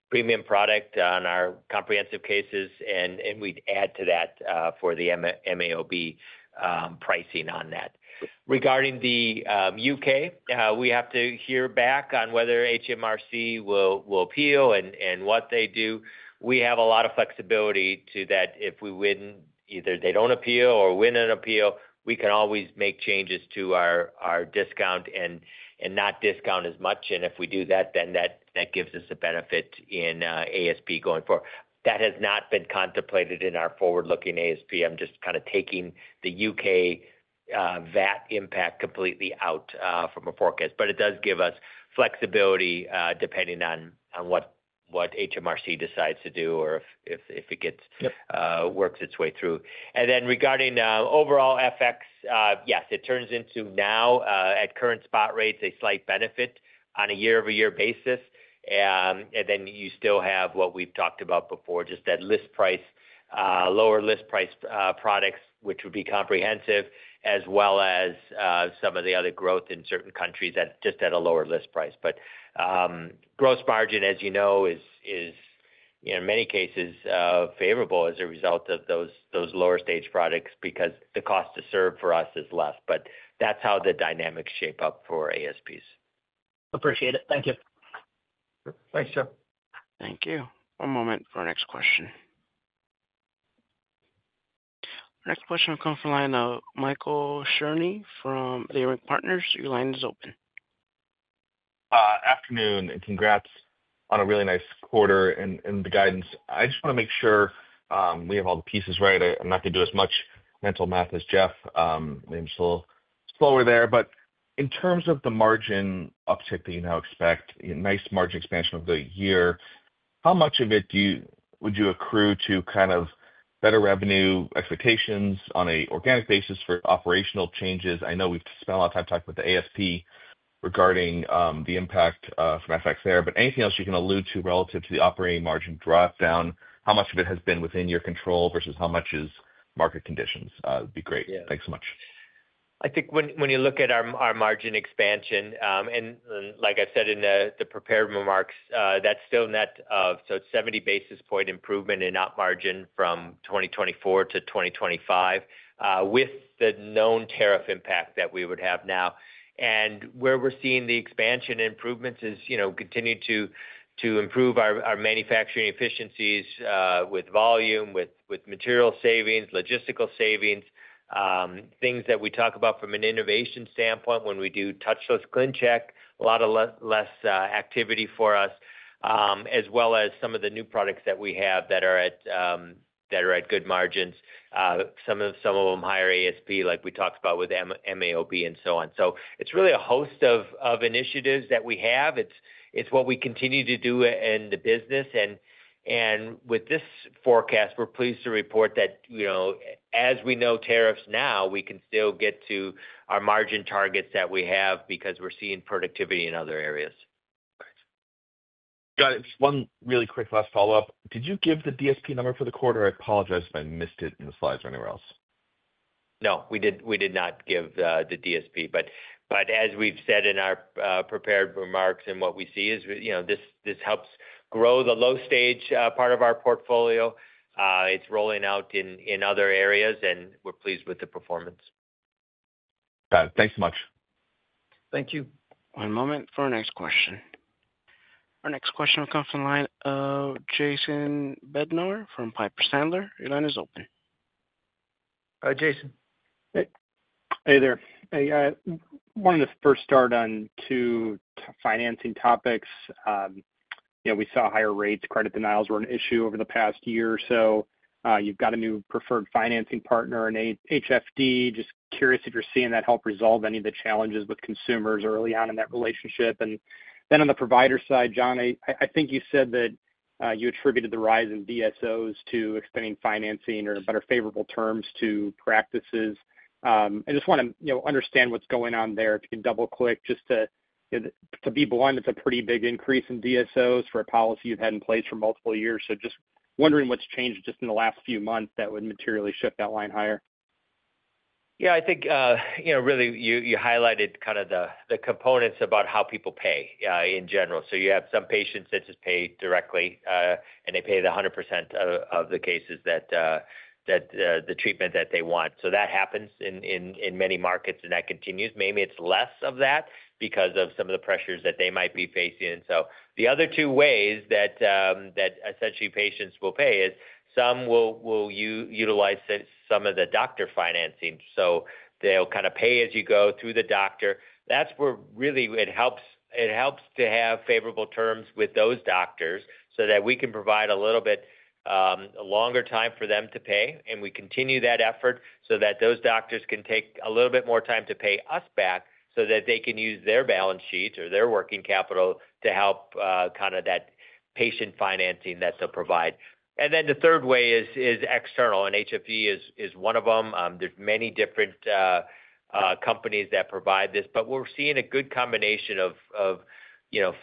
[SPEAKER 4] premium product on our comprehensive cases, and we would add to that for the MAOB pricing on that. Regarding the U.K., we have to hear back on whether HMRC will appeal and what they do. We have a lot of flexibility to that. If we win, either they do not appeal or win an appeal, we can always make changes to our discount and not discount as much. If we do that, then that gives us a benefit in ASP going forward. That has not been contemplated in our forward-looking ASP. I am just kind of taking the U.K. VAT impact completely out from a forecast, but it does give us flexibility depending on what HMRC decides to do or if it works its way through. Regarding overall FX, yes, it turns into now, at current spot rates, a slight benefit on a year-over-year basis. You still have what we've talked about before, just that list price, lower list price products, which would be comprehensive, as well as some of the other growth in certain countries just at a lower list price. Gross margin, as you know, is in many cases favorable as a result of those lower-stage products because the cost to serve for us is less. That's how the dynamics shape up for ASPs. Appreciate it.
[SPEAKER 8] Thank you.
[SPEAKER 4] Thanks, Jeff.
[SPEAKER 1] Thank you. One moment for our next question. Our next question will come from Michael Cherny from Leerink Partners. Your line is open.
[SPEAKER 9] Afternoon, and congrats on a really nice quarter and the guidance. I just want to make sure we have all the pieces right. I'm not going to do as much mental math as Jeff. I'm a little slower there. In terms of the margin uptick that you now expect, nice margin expansion over the year, how much of it would you accrue to kind of better revenue expectations on an organic basis for operational changes? I know we've spent a lot of time talking with the ASP regarding the impact from FX there. Anything else you can allude to relative to the operating margin dropdown, how much of it has been within your control versus how much is market conditions? It'd be great. Thanks so much.
[SPEAKER 4] I think when you look at our margin expansion, and like I said in the prepared remarks, that's still net of, so it's 70 basis point improvement in op margin from 2024 to 2025 with the known tariff impact that we would have now. Where we're seeing the expansion improvements is continue to improve our manufacturing efficiencies with volume, with material savings, logistical savings, things that we talk about from an innovation standpoint when we do touchless ClinCheck, a lot of less activity for us, as well as some of the new products that we have that are at good margins, some of them higher ASP like we talked about with MAOB and so on. It is really a host of initiatives that we have. It is what we continue to do in the business. With this forecast, we're pleased to report that as we know tariffs now, we can still get to our margin targets that we have because we're seeing productivity in other areas.
[SPEAKER 9] Got it. Just one really quick last follow-up. Did you give the DSP number for the quarter? I apologize if I missed it in the slides or anywhere else.
[SPEAKER 4] No, we did not give the DSP. As we've said in our prepared remarks and what we see is this helps grow the low-stage part of our portfolio. It's rolling out in other areas, and we're pleased with the performance.
[SPEAKER 9] Got it. Thanks so much.
[SPEAKER 1] Thank you. One moment for our next question. Our next question will come from the line of, Jason Bednar from Piper Sandler. Your line is open.
[SPEAKER 3] Hi, Jason.
[SPEAKER 10] Hey, there. Hey. I wanted to first start on two financing topics. We saw higher rates. Credit denials were an issue over the past year or so. You've got a new preferred financing partner, an HFD. Just curious if you're seeing that help resolve any of the challenges with consumers early on in that relationship. On the provider side, John, I think you said that you attributed the rise in DSOs to expanding financing or better favorable terms to practices. I just want to understand what's going on there. If you can double-click just to be blunt, it's a pretty big increase in DSOs for a policy you've had in place for multiple years. I am just wondering what's changed just in the last few months that would materially shift that line higher.
[SPEAKER 4] Yeah. I think really you highlighted kind of the components about how people pay in general. You have some patients that just pay directly, and they pay the 100% of the cases that the treatment that they want. That happens in many markets, and that continues. Maybe it's less of that because of some of the pressures that they might be facing. The other two ways that essentially patients will pay is some will utilize some of the doctor financing. They'll kind of pay as you go through the doctor. That's where it really helps to have favorable terms with those doctors so that we can provide a little bit longer time for them to pay. We continue that effort so that those doctors can take a little bit more time to pay us back so that they can use their balance sheets or their working capital to help kind of that patient financing that they'll provide. The third way is external. HFD is one of them. There's many different companies that provide this, but we're seeing a good combination of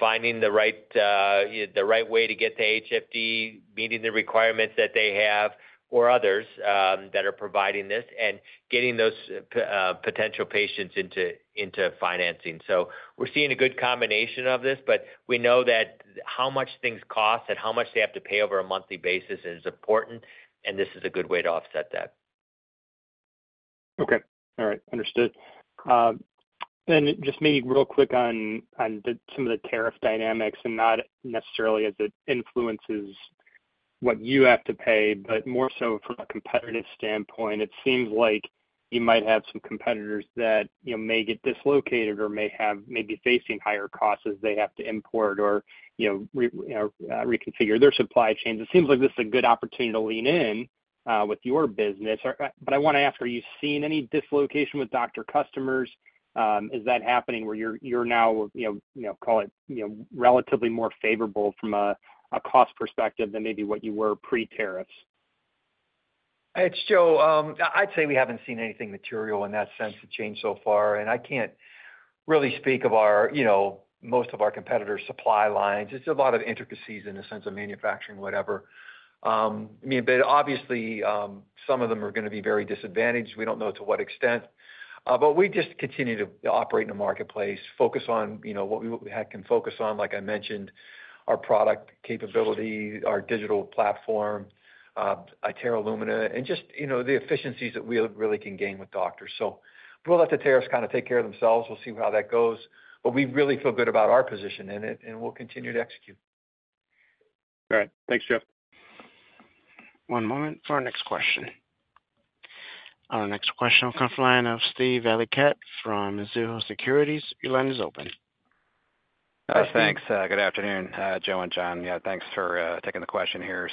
[SPEAKER 4] finding the right way to get to HFD, meeting the requirements that they have, or others that are providing this and getting those potential patients into financing. We're seeing a good combination of this, but we know that how much things cost and how much they have to pay over a monthly basis is important, and this is a good way to offset that.
[SPEAKER 10] Okay. All right. Understood. Just maybe real quick on some of the tariff dynamics and not necessarily as it influences what you have to pay, but more so from a competitive standpoint. It seems like you might have some competitors that may get dislocated or may be facing higher costs as they have to import or reconfigure their supply chains. It seems like this is a good opportunity to lean in with your business. I want to ask, are you seeing any dislocation with doctor customers? Is that happening where you're now, call it, relatively more favorable from a cost perspective than maybe what you were pre-tariffs?
[SPEAKER 3] It's Joe. I'd say we haven't seen anything material in that sense of change so far. I can't really speak of most of our competitor supply lines. It's a lot of intricacies in the sense of manufacturing, whatever. I mean, obviously, some of them are going to be very disadvantaged. We don't know to what extent. We just continue to operate in the marketplace, focus on what we can focus on, like I mentioned, our product capability, our digital platform, iTero Lumina, and just the efficiencies that we really can gain with doctors. We'll let the tariffs kind of take care of themselves. We'll see how that goes. We really feel good about our position in it, and we'll continue to execute. All right.
[SPEAKER 10] Thanks, Joe.
[SPEAKER 1] One moment for our next question. Our next question will come from the line off, Steve Valiquette from Mizuho Securities. Your line is open.
[SPEAKER 11] Thanks. Good afternoon, Joe and John. Yeah, thanks for taking the question here.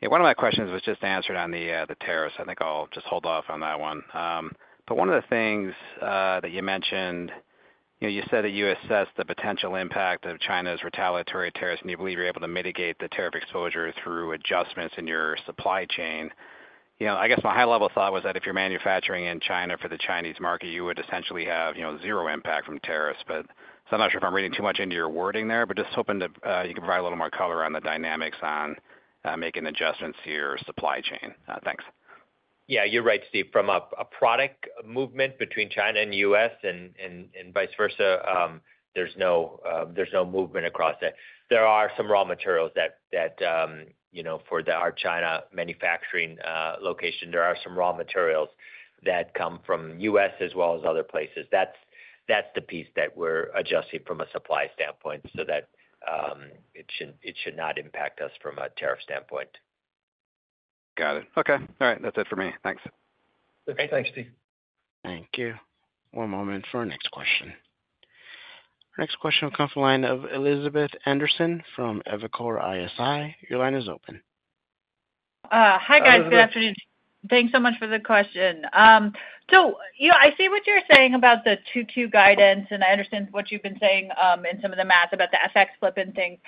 [SPEAKER 11] One of my questions was just answered on the tariffs. I think I'll just hold off on that one. One of the things that you mentioned, you said that you assessed the potential impact of China's retaliatory tariffs, and you believe you're able to mitigate the tariff exposure through adjustments in your supply chain. I guess my high-level thought was that if you're manufacturing in China for the Chinese market, you would essentially have zero impact from tariffs. I'm not sure if I'm reading too much into your wording there, but just hoping that you can provide a little more color on the dynamics on making adjustments to your supply chain. Thanks.
[SPEAKER 3] Yeah, you're right, Steve. From a product movement between China and the U.S. and vice versa, there's no movement across that. There are some raw materials that for our China manufacturing location, there are some raw materials that come from the U.S. as well as other places. That's the piece that we're adjusting from a supply standpoint so that it should not impact us from a tariff standpoint.
[SPEAKER 11] Got it. Okay. All right. That's it for me.
[SPEAKER 3] Thanks. Okay. Thanks, Steve.
[SPEAKER 1] Thank you. One moment for our next question. Our next question will come from line of Elizabeth Anderson from Evercore ISI. Your line is open.
[SPEAKER 12] Hi, guys. Good afternoon. Thanks so much for the question. I see what you're saying about the 2Q guidance, and I understand what you've been saying in some of the math about the FX flip and things.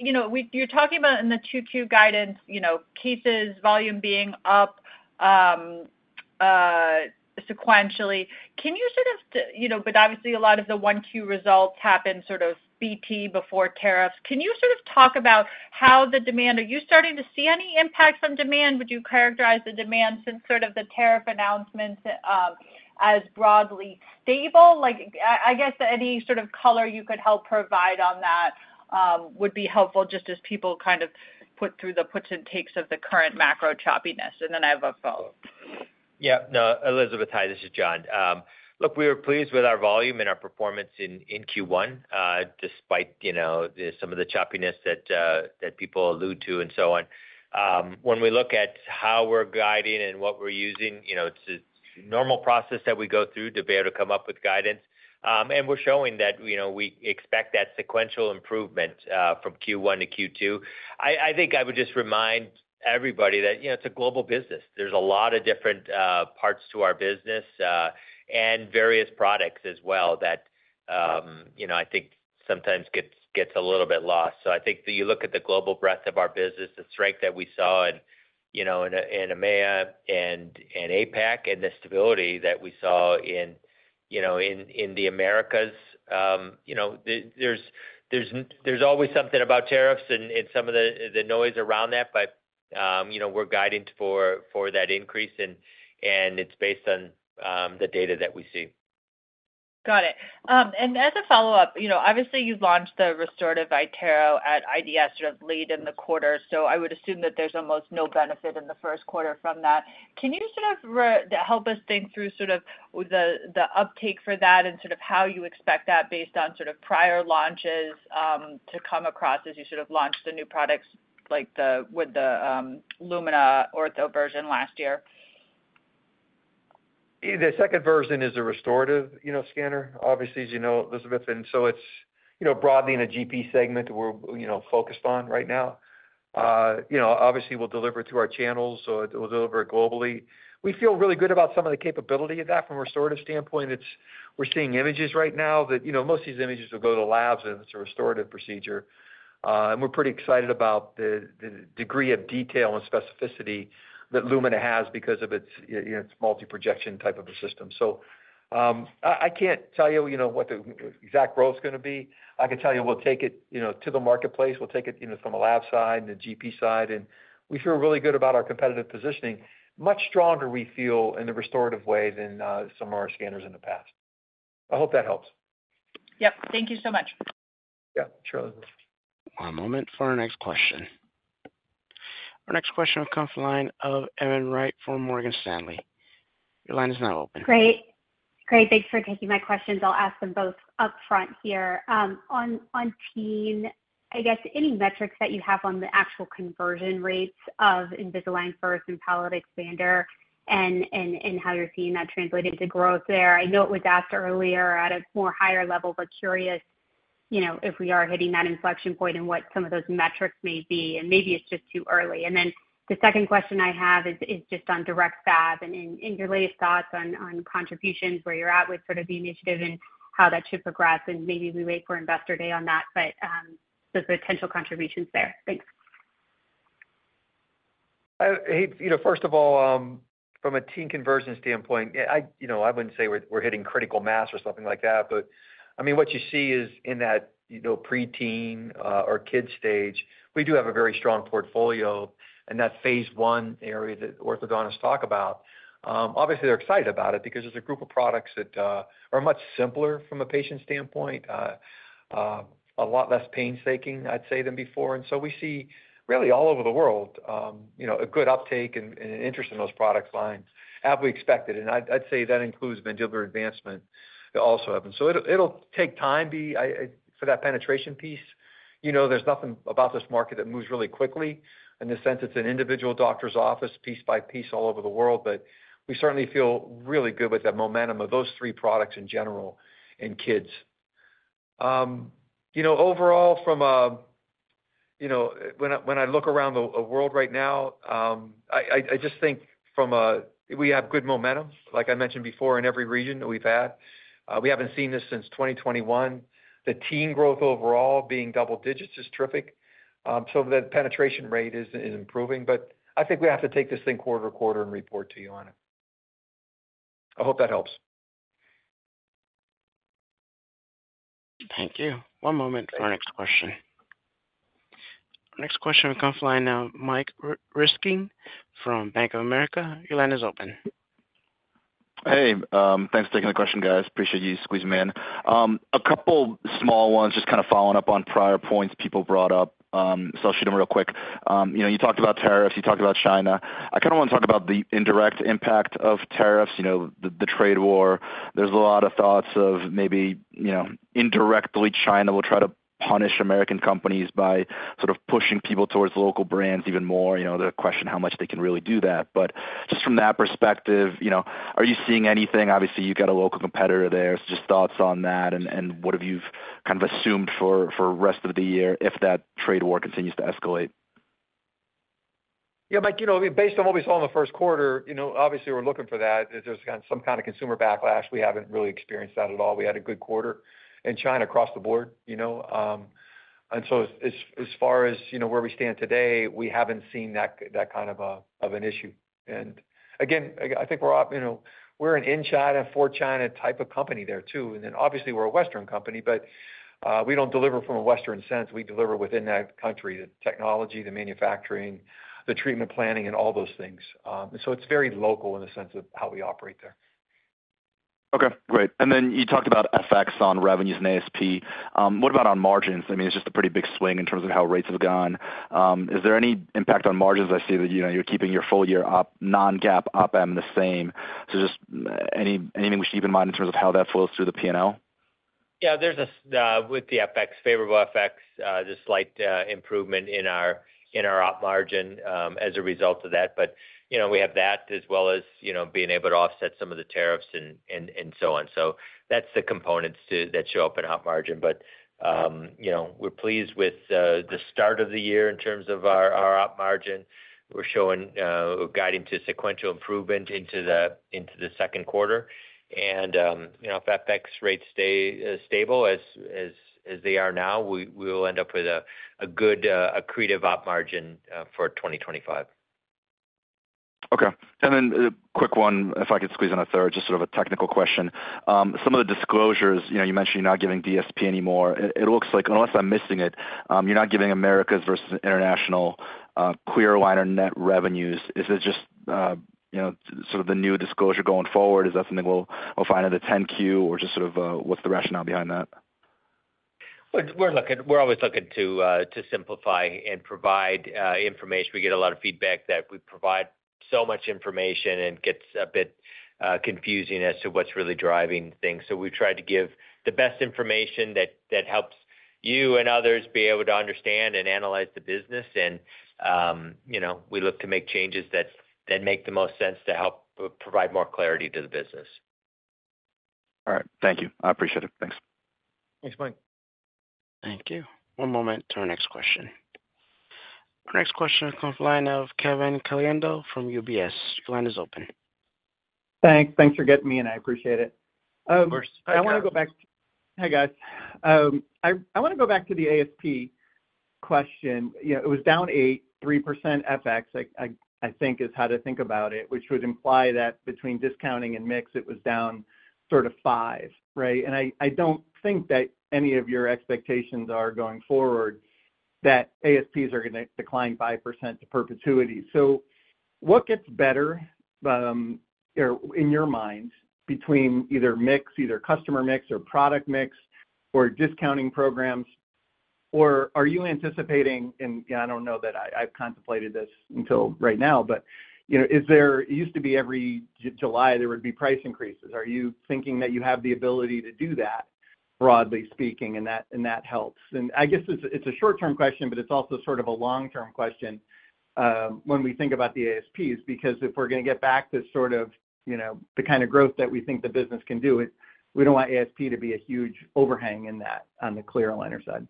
[SPEAKER 12] You're talking about in the 2Q guidance, cases volume being up sequentially. Can you sort of, but obviously a lot of the 1Q results happen sort of BT before tariffs. Can you sort of talk about how the demand, are you starting to see any impact from demand? Would you characterize the demand since sort of the tariff announcements as broadly stable? I guess any sort of color you could help provide on that would be helpful just as people kind of put through the puts and takes of the current macro choppiness. I have a follow-up.
[SPEAKER 4] Yeah. No, Elizabeth, hi. This is John.
[SPEAKER 3] Look, we were pleased with our volume and our performance in Q1 despite some of the choppiness that people allude to and so on. When we look at how we're guiding and what we're using, it's a normal process that we go through to be able to come up with guidance. We're showing that we expect that sequential improvement from Q1 to Q2. I think I would just remind everybody that it's a global business. There's a lot of different parts to our business and various products as well that I think sometimes gets a little bit lost. I think that you look at the global breadth of our business, the strength that we saw in EMEA and APAC, and the stability that we saw in the Americas. There's always something about tariffs and some of the noise around that, but we're guiding for that increase, and it's based on the data that we see.
[SPEAKER 12] Got it. As a follow-up, obviously, you launched the restorative iTero at IDS sort of late in the quarter. I would assume that there's almost no benefit in the first quarter from that. Can you sort of help us think through sort of the uptake for that and sort of how you expect that based on sort of prior launches to come across as you sort of launched the new products with the Lumina Ortho version last year?
[SPEAKER 3] The second version is a restorative scanner, obviously, as you know, Elizabeth. It is broadly in a GP segment that we're focused on right now. Obviously, we'll deliver it through our channels, so we'll deliver it globally. We feel really good about some of the capability of that from a restorative standpoint. We're seeing images right now that most of these images will go to labs, and it's a restorative procedure. We're pretty excited about the degree of detail and specificity that Lumina has because of its multi-projection type of a system. I can't tell you what the exact growth is going to be. I can tell you we'll take it to the marketplace. We'll take it from a lab side and the GP side. We feel really good about our competitive positioning. Much stronger, we feel, in the restorative way than some of our scanners in the past. I hope that helps.
[SPEAKER 12] Yep. Thank you so much.
[SPEAKER 1] Yeah. Sure. One moment for our next question. Our next question will come from Erin Wright of Morgan Stanley. Your line is now open.
[SPEAKER 13] Great. Great. Thanks for taking my questions. I'll ask them both upfront here. On teen, I guess any metrics that you have on the actual conversion rates of Invisalign First and Palatal Expander and how you're seeing that translated to growth there? I know it was asked earlier at a more higher level, but curious if we are hitting that inflection point and what some of those metrics may be. Maybe it's just too early. The second question I have is just on Direct Fab and your latest thoughts on contributions, where you're at with sort of the initiative and how that should progress. Maybe we wait for Investor Day on that, but the potential contributions there. Thanks.
[SPEAKER 3] Hey, first of all, from a teen conversion standpoint, I wouldn't say we're hitting critical mass or something like that. I mean, what you see is in that pre-teen or kid stage, we do have a very strong portfolio. In that phase I area that orthodontists talk about, obviously, they're excited about it because there's a group of products that are much simpler from a patient standpoint, a lot less painstaking, I'd say, than before. We see really all over the world a good uptake and interest in those product lines, as we expected. I'd say that includes Mandibular Advancement. It also happens. It'll take time for that penetration piece. There is nothing about this market that moves really quickly in the sense it's an individual doctor's office, piece by piece, all over the world. We certainly feel really good with the momentum of those three products in general in kids. Overall, from when I look around the world right now, I just think we have good momentum, like I mentioned before, in every region that we've had. We haven't seen this since 2021. The teen growth overall being double digits is terrific. The penetration rate is improving. I think we have to take this thing quarter to quarter and report to you on it. I hope that helps.
[SPEAKER 1] Thank you. One moment for our next question. Our next question will come from line now, Mike Ryskin from Bank of America. Your line is open.
[SPEAKER 14] Hey. Thanks for taking the question, guys. Appreciate you squeezing me in. A couple small ones, just kind of following up on prior points people brought up. I'll shoot them real quick. You talked about tariffs. You talked about China. I kind of want to talk about the indirect impact of tariffs, the trade war. There's a lot of thoughts of maybe indirectly, China will try to punish American companies by sort of pushing people towards local brands even more. The question how much they can really do that. Just from that perspective, are you seeing anything? Obviously, you've got a local competitor there. Just thoughts on that and what have you kind of assumed for the rest of the year if that trade war continues to escalate?
[SPEAKER 3] Yeah. Based on what we saw in the first quarter, obviously, we're looking for that. There's some kind of consumer backlash. We haven't really experienced that at all. We had a good quarter in China across the board. As far as where we stand today, we haven't seen that kind of an issue. I think we're an in-China, for-China type of company there too. Obviously, we're a Western company, but we don't deliver from a Western sense. We deliver within that country, the technology, the manufacturing, the treatment planning, and all those things. It is very local in the sense of how we operate there.
[SPEAKER 14] Okay. Great. You talked about effects on revenues and ASP. What about on margins? I mean, it's just a pretty big swing in terms of how rates have gone. Is there any impact on margins? I see that you're keeping your full year non-GAAP up and the same. Just anything we should keep in mind in terms of how that flows through the P&L?
[SPEAKER 3] Yeah. With the FX, favorable FX, just slight improvement in our op margin as a result of that. We have that as well as being able to offset some of the tariffs and so on. That is the components that show up in op margin. We are pleased with the start of the year in terms of our op margin. We are guiding to sequential improvement into the second quarter. If FX rates stay stable as they are now, we will end up with a good accretive op margin for 2025.
[SPEAKER 14] Okay. A quick one, if I could squeeze in a third, just sort of a technical question. Some of the disclosures, you mentioned you are not giving DSP anymore. It looks like, unless I am missing it, you are not giving Americas versus international clear aligner net revenues. Is it just sort of the new disclosure going forward? Is that something we will find in the 10-Q or just sort of what is the rationale behind that?
[SPEAKER 3] We're always looking to simplify and provide information. We get a lot of feedback that we provide so much information and it gets a bit confusing as to what's really driving things. We try to give the best information that helps you and others be able to understand and analyze the business. We look to make changes that make the most sense to help provide more clarity to the business.
[SPEAKER 14] All right. Thank you. I appreciate it. Thanks.
[SPEAKER 3] Thanks, Mike.
[SPEAKER 1] Thank you. One moment to our next question. Our next question will come from Kevin Caliendo from UBS. Your line is open.
[SPEAKER 15] Thanks. Thanks for getting me, and I appreciate it. Of course. Hi, guys. I want to go back to the ASP question. It was down 8%, 3% FX, I think, is how to think about it, which would imply that between discounting and mix, it was down sort of 5%, right? I do not think that any of your expectations are going forward that ASPs are going to decline 5% to perpetuity. What gets better in your mind between either mix, either customer mix or product mix or discounting programs? Are you anticipating—I do not know that I have contemplated this until right now, but it used to be every July there would be price increases. Are you thinking that you have the ability to do that, broadly speaking, and that helps? I guess it's a short-term question, but it's also sort of a long-term question when we think about the ASPs because if we're going to get back to sort of the kind of growth that we think the business can do, we don't want ASP to be a huge overhang in that on the clear aligner side.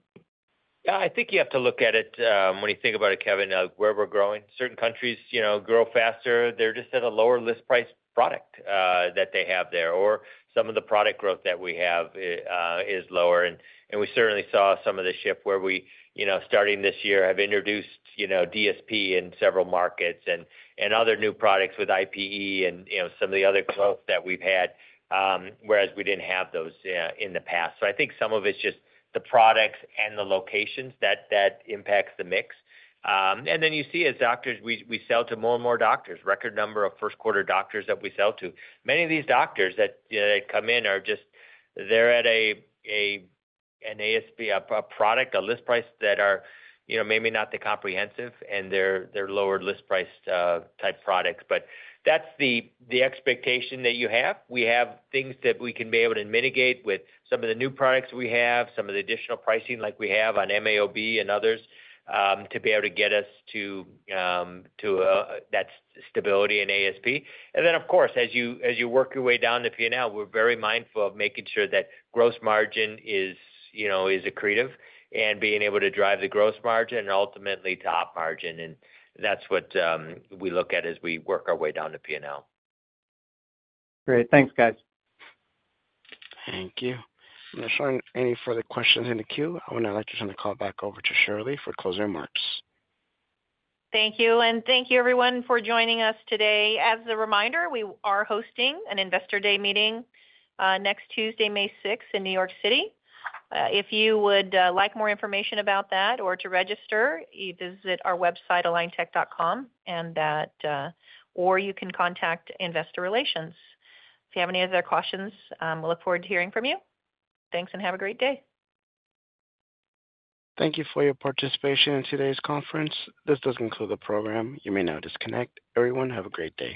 [SPEAKER 3] Yeah. I think you have to look at it when you think about it, Kevin, where we're growing. Certain countries grow faster. They're just at a lower list price product that they have there. Or some of the product growth that we have is lower. We certainly saw some of the shift where we, starting this year, have introduced DSP in several markets and other new products with IPE and some of the other growth that we've had, whereas we didn't have those in the past. I think some of it's just the products and the locations that impact the mix. You see, as doctors, we sell to more and more doctors, record number of first-quarter doctors that we sell to. Many of these doctors that come in are just—they're at an ASP, a product, a list price that are maybe not the comprehensive, and they're lower list price type products. That's the expectation that you have. We have things that we can be able to mitigate with some of the new products we have, some of the additional pricing like we have on MAOB and others to be able to get us to that stability in ASP. Of course, as you work your way down the P&L, we're very mindful of making sure that gross margin is accretive and being able to drive the gross margin and ultimately to op margin. That's what we look at as we work our way down the P&L.
[SPEAKER 15] Great. Thanks, guys.
[SPEAKER 1] Thank you. If there's any further questions in the queue, I want to let you turn the call back over to Shirley for closing remarks.
[SPEAKER 2] Thank you. Thank you, everyone, for joining us today. As a reminder, we are hosting an Investor Day meeting next Tuesday, May 6th, in New York City. If you would like more information about that or to register, you visit our website, aligntech.com, or you can contact investor relations. If you have any other questions, we'll look forward to hearing from you. Thanks and have a great day.
[SPEAKER 1] Thank you for your participation in today's conference. This does conclude the program. You may now disconnect. Everyone, have a great day.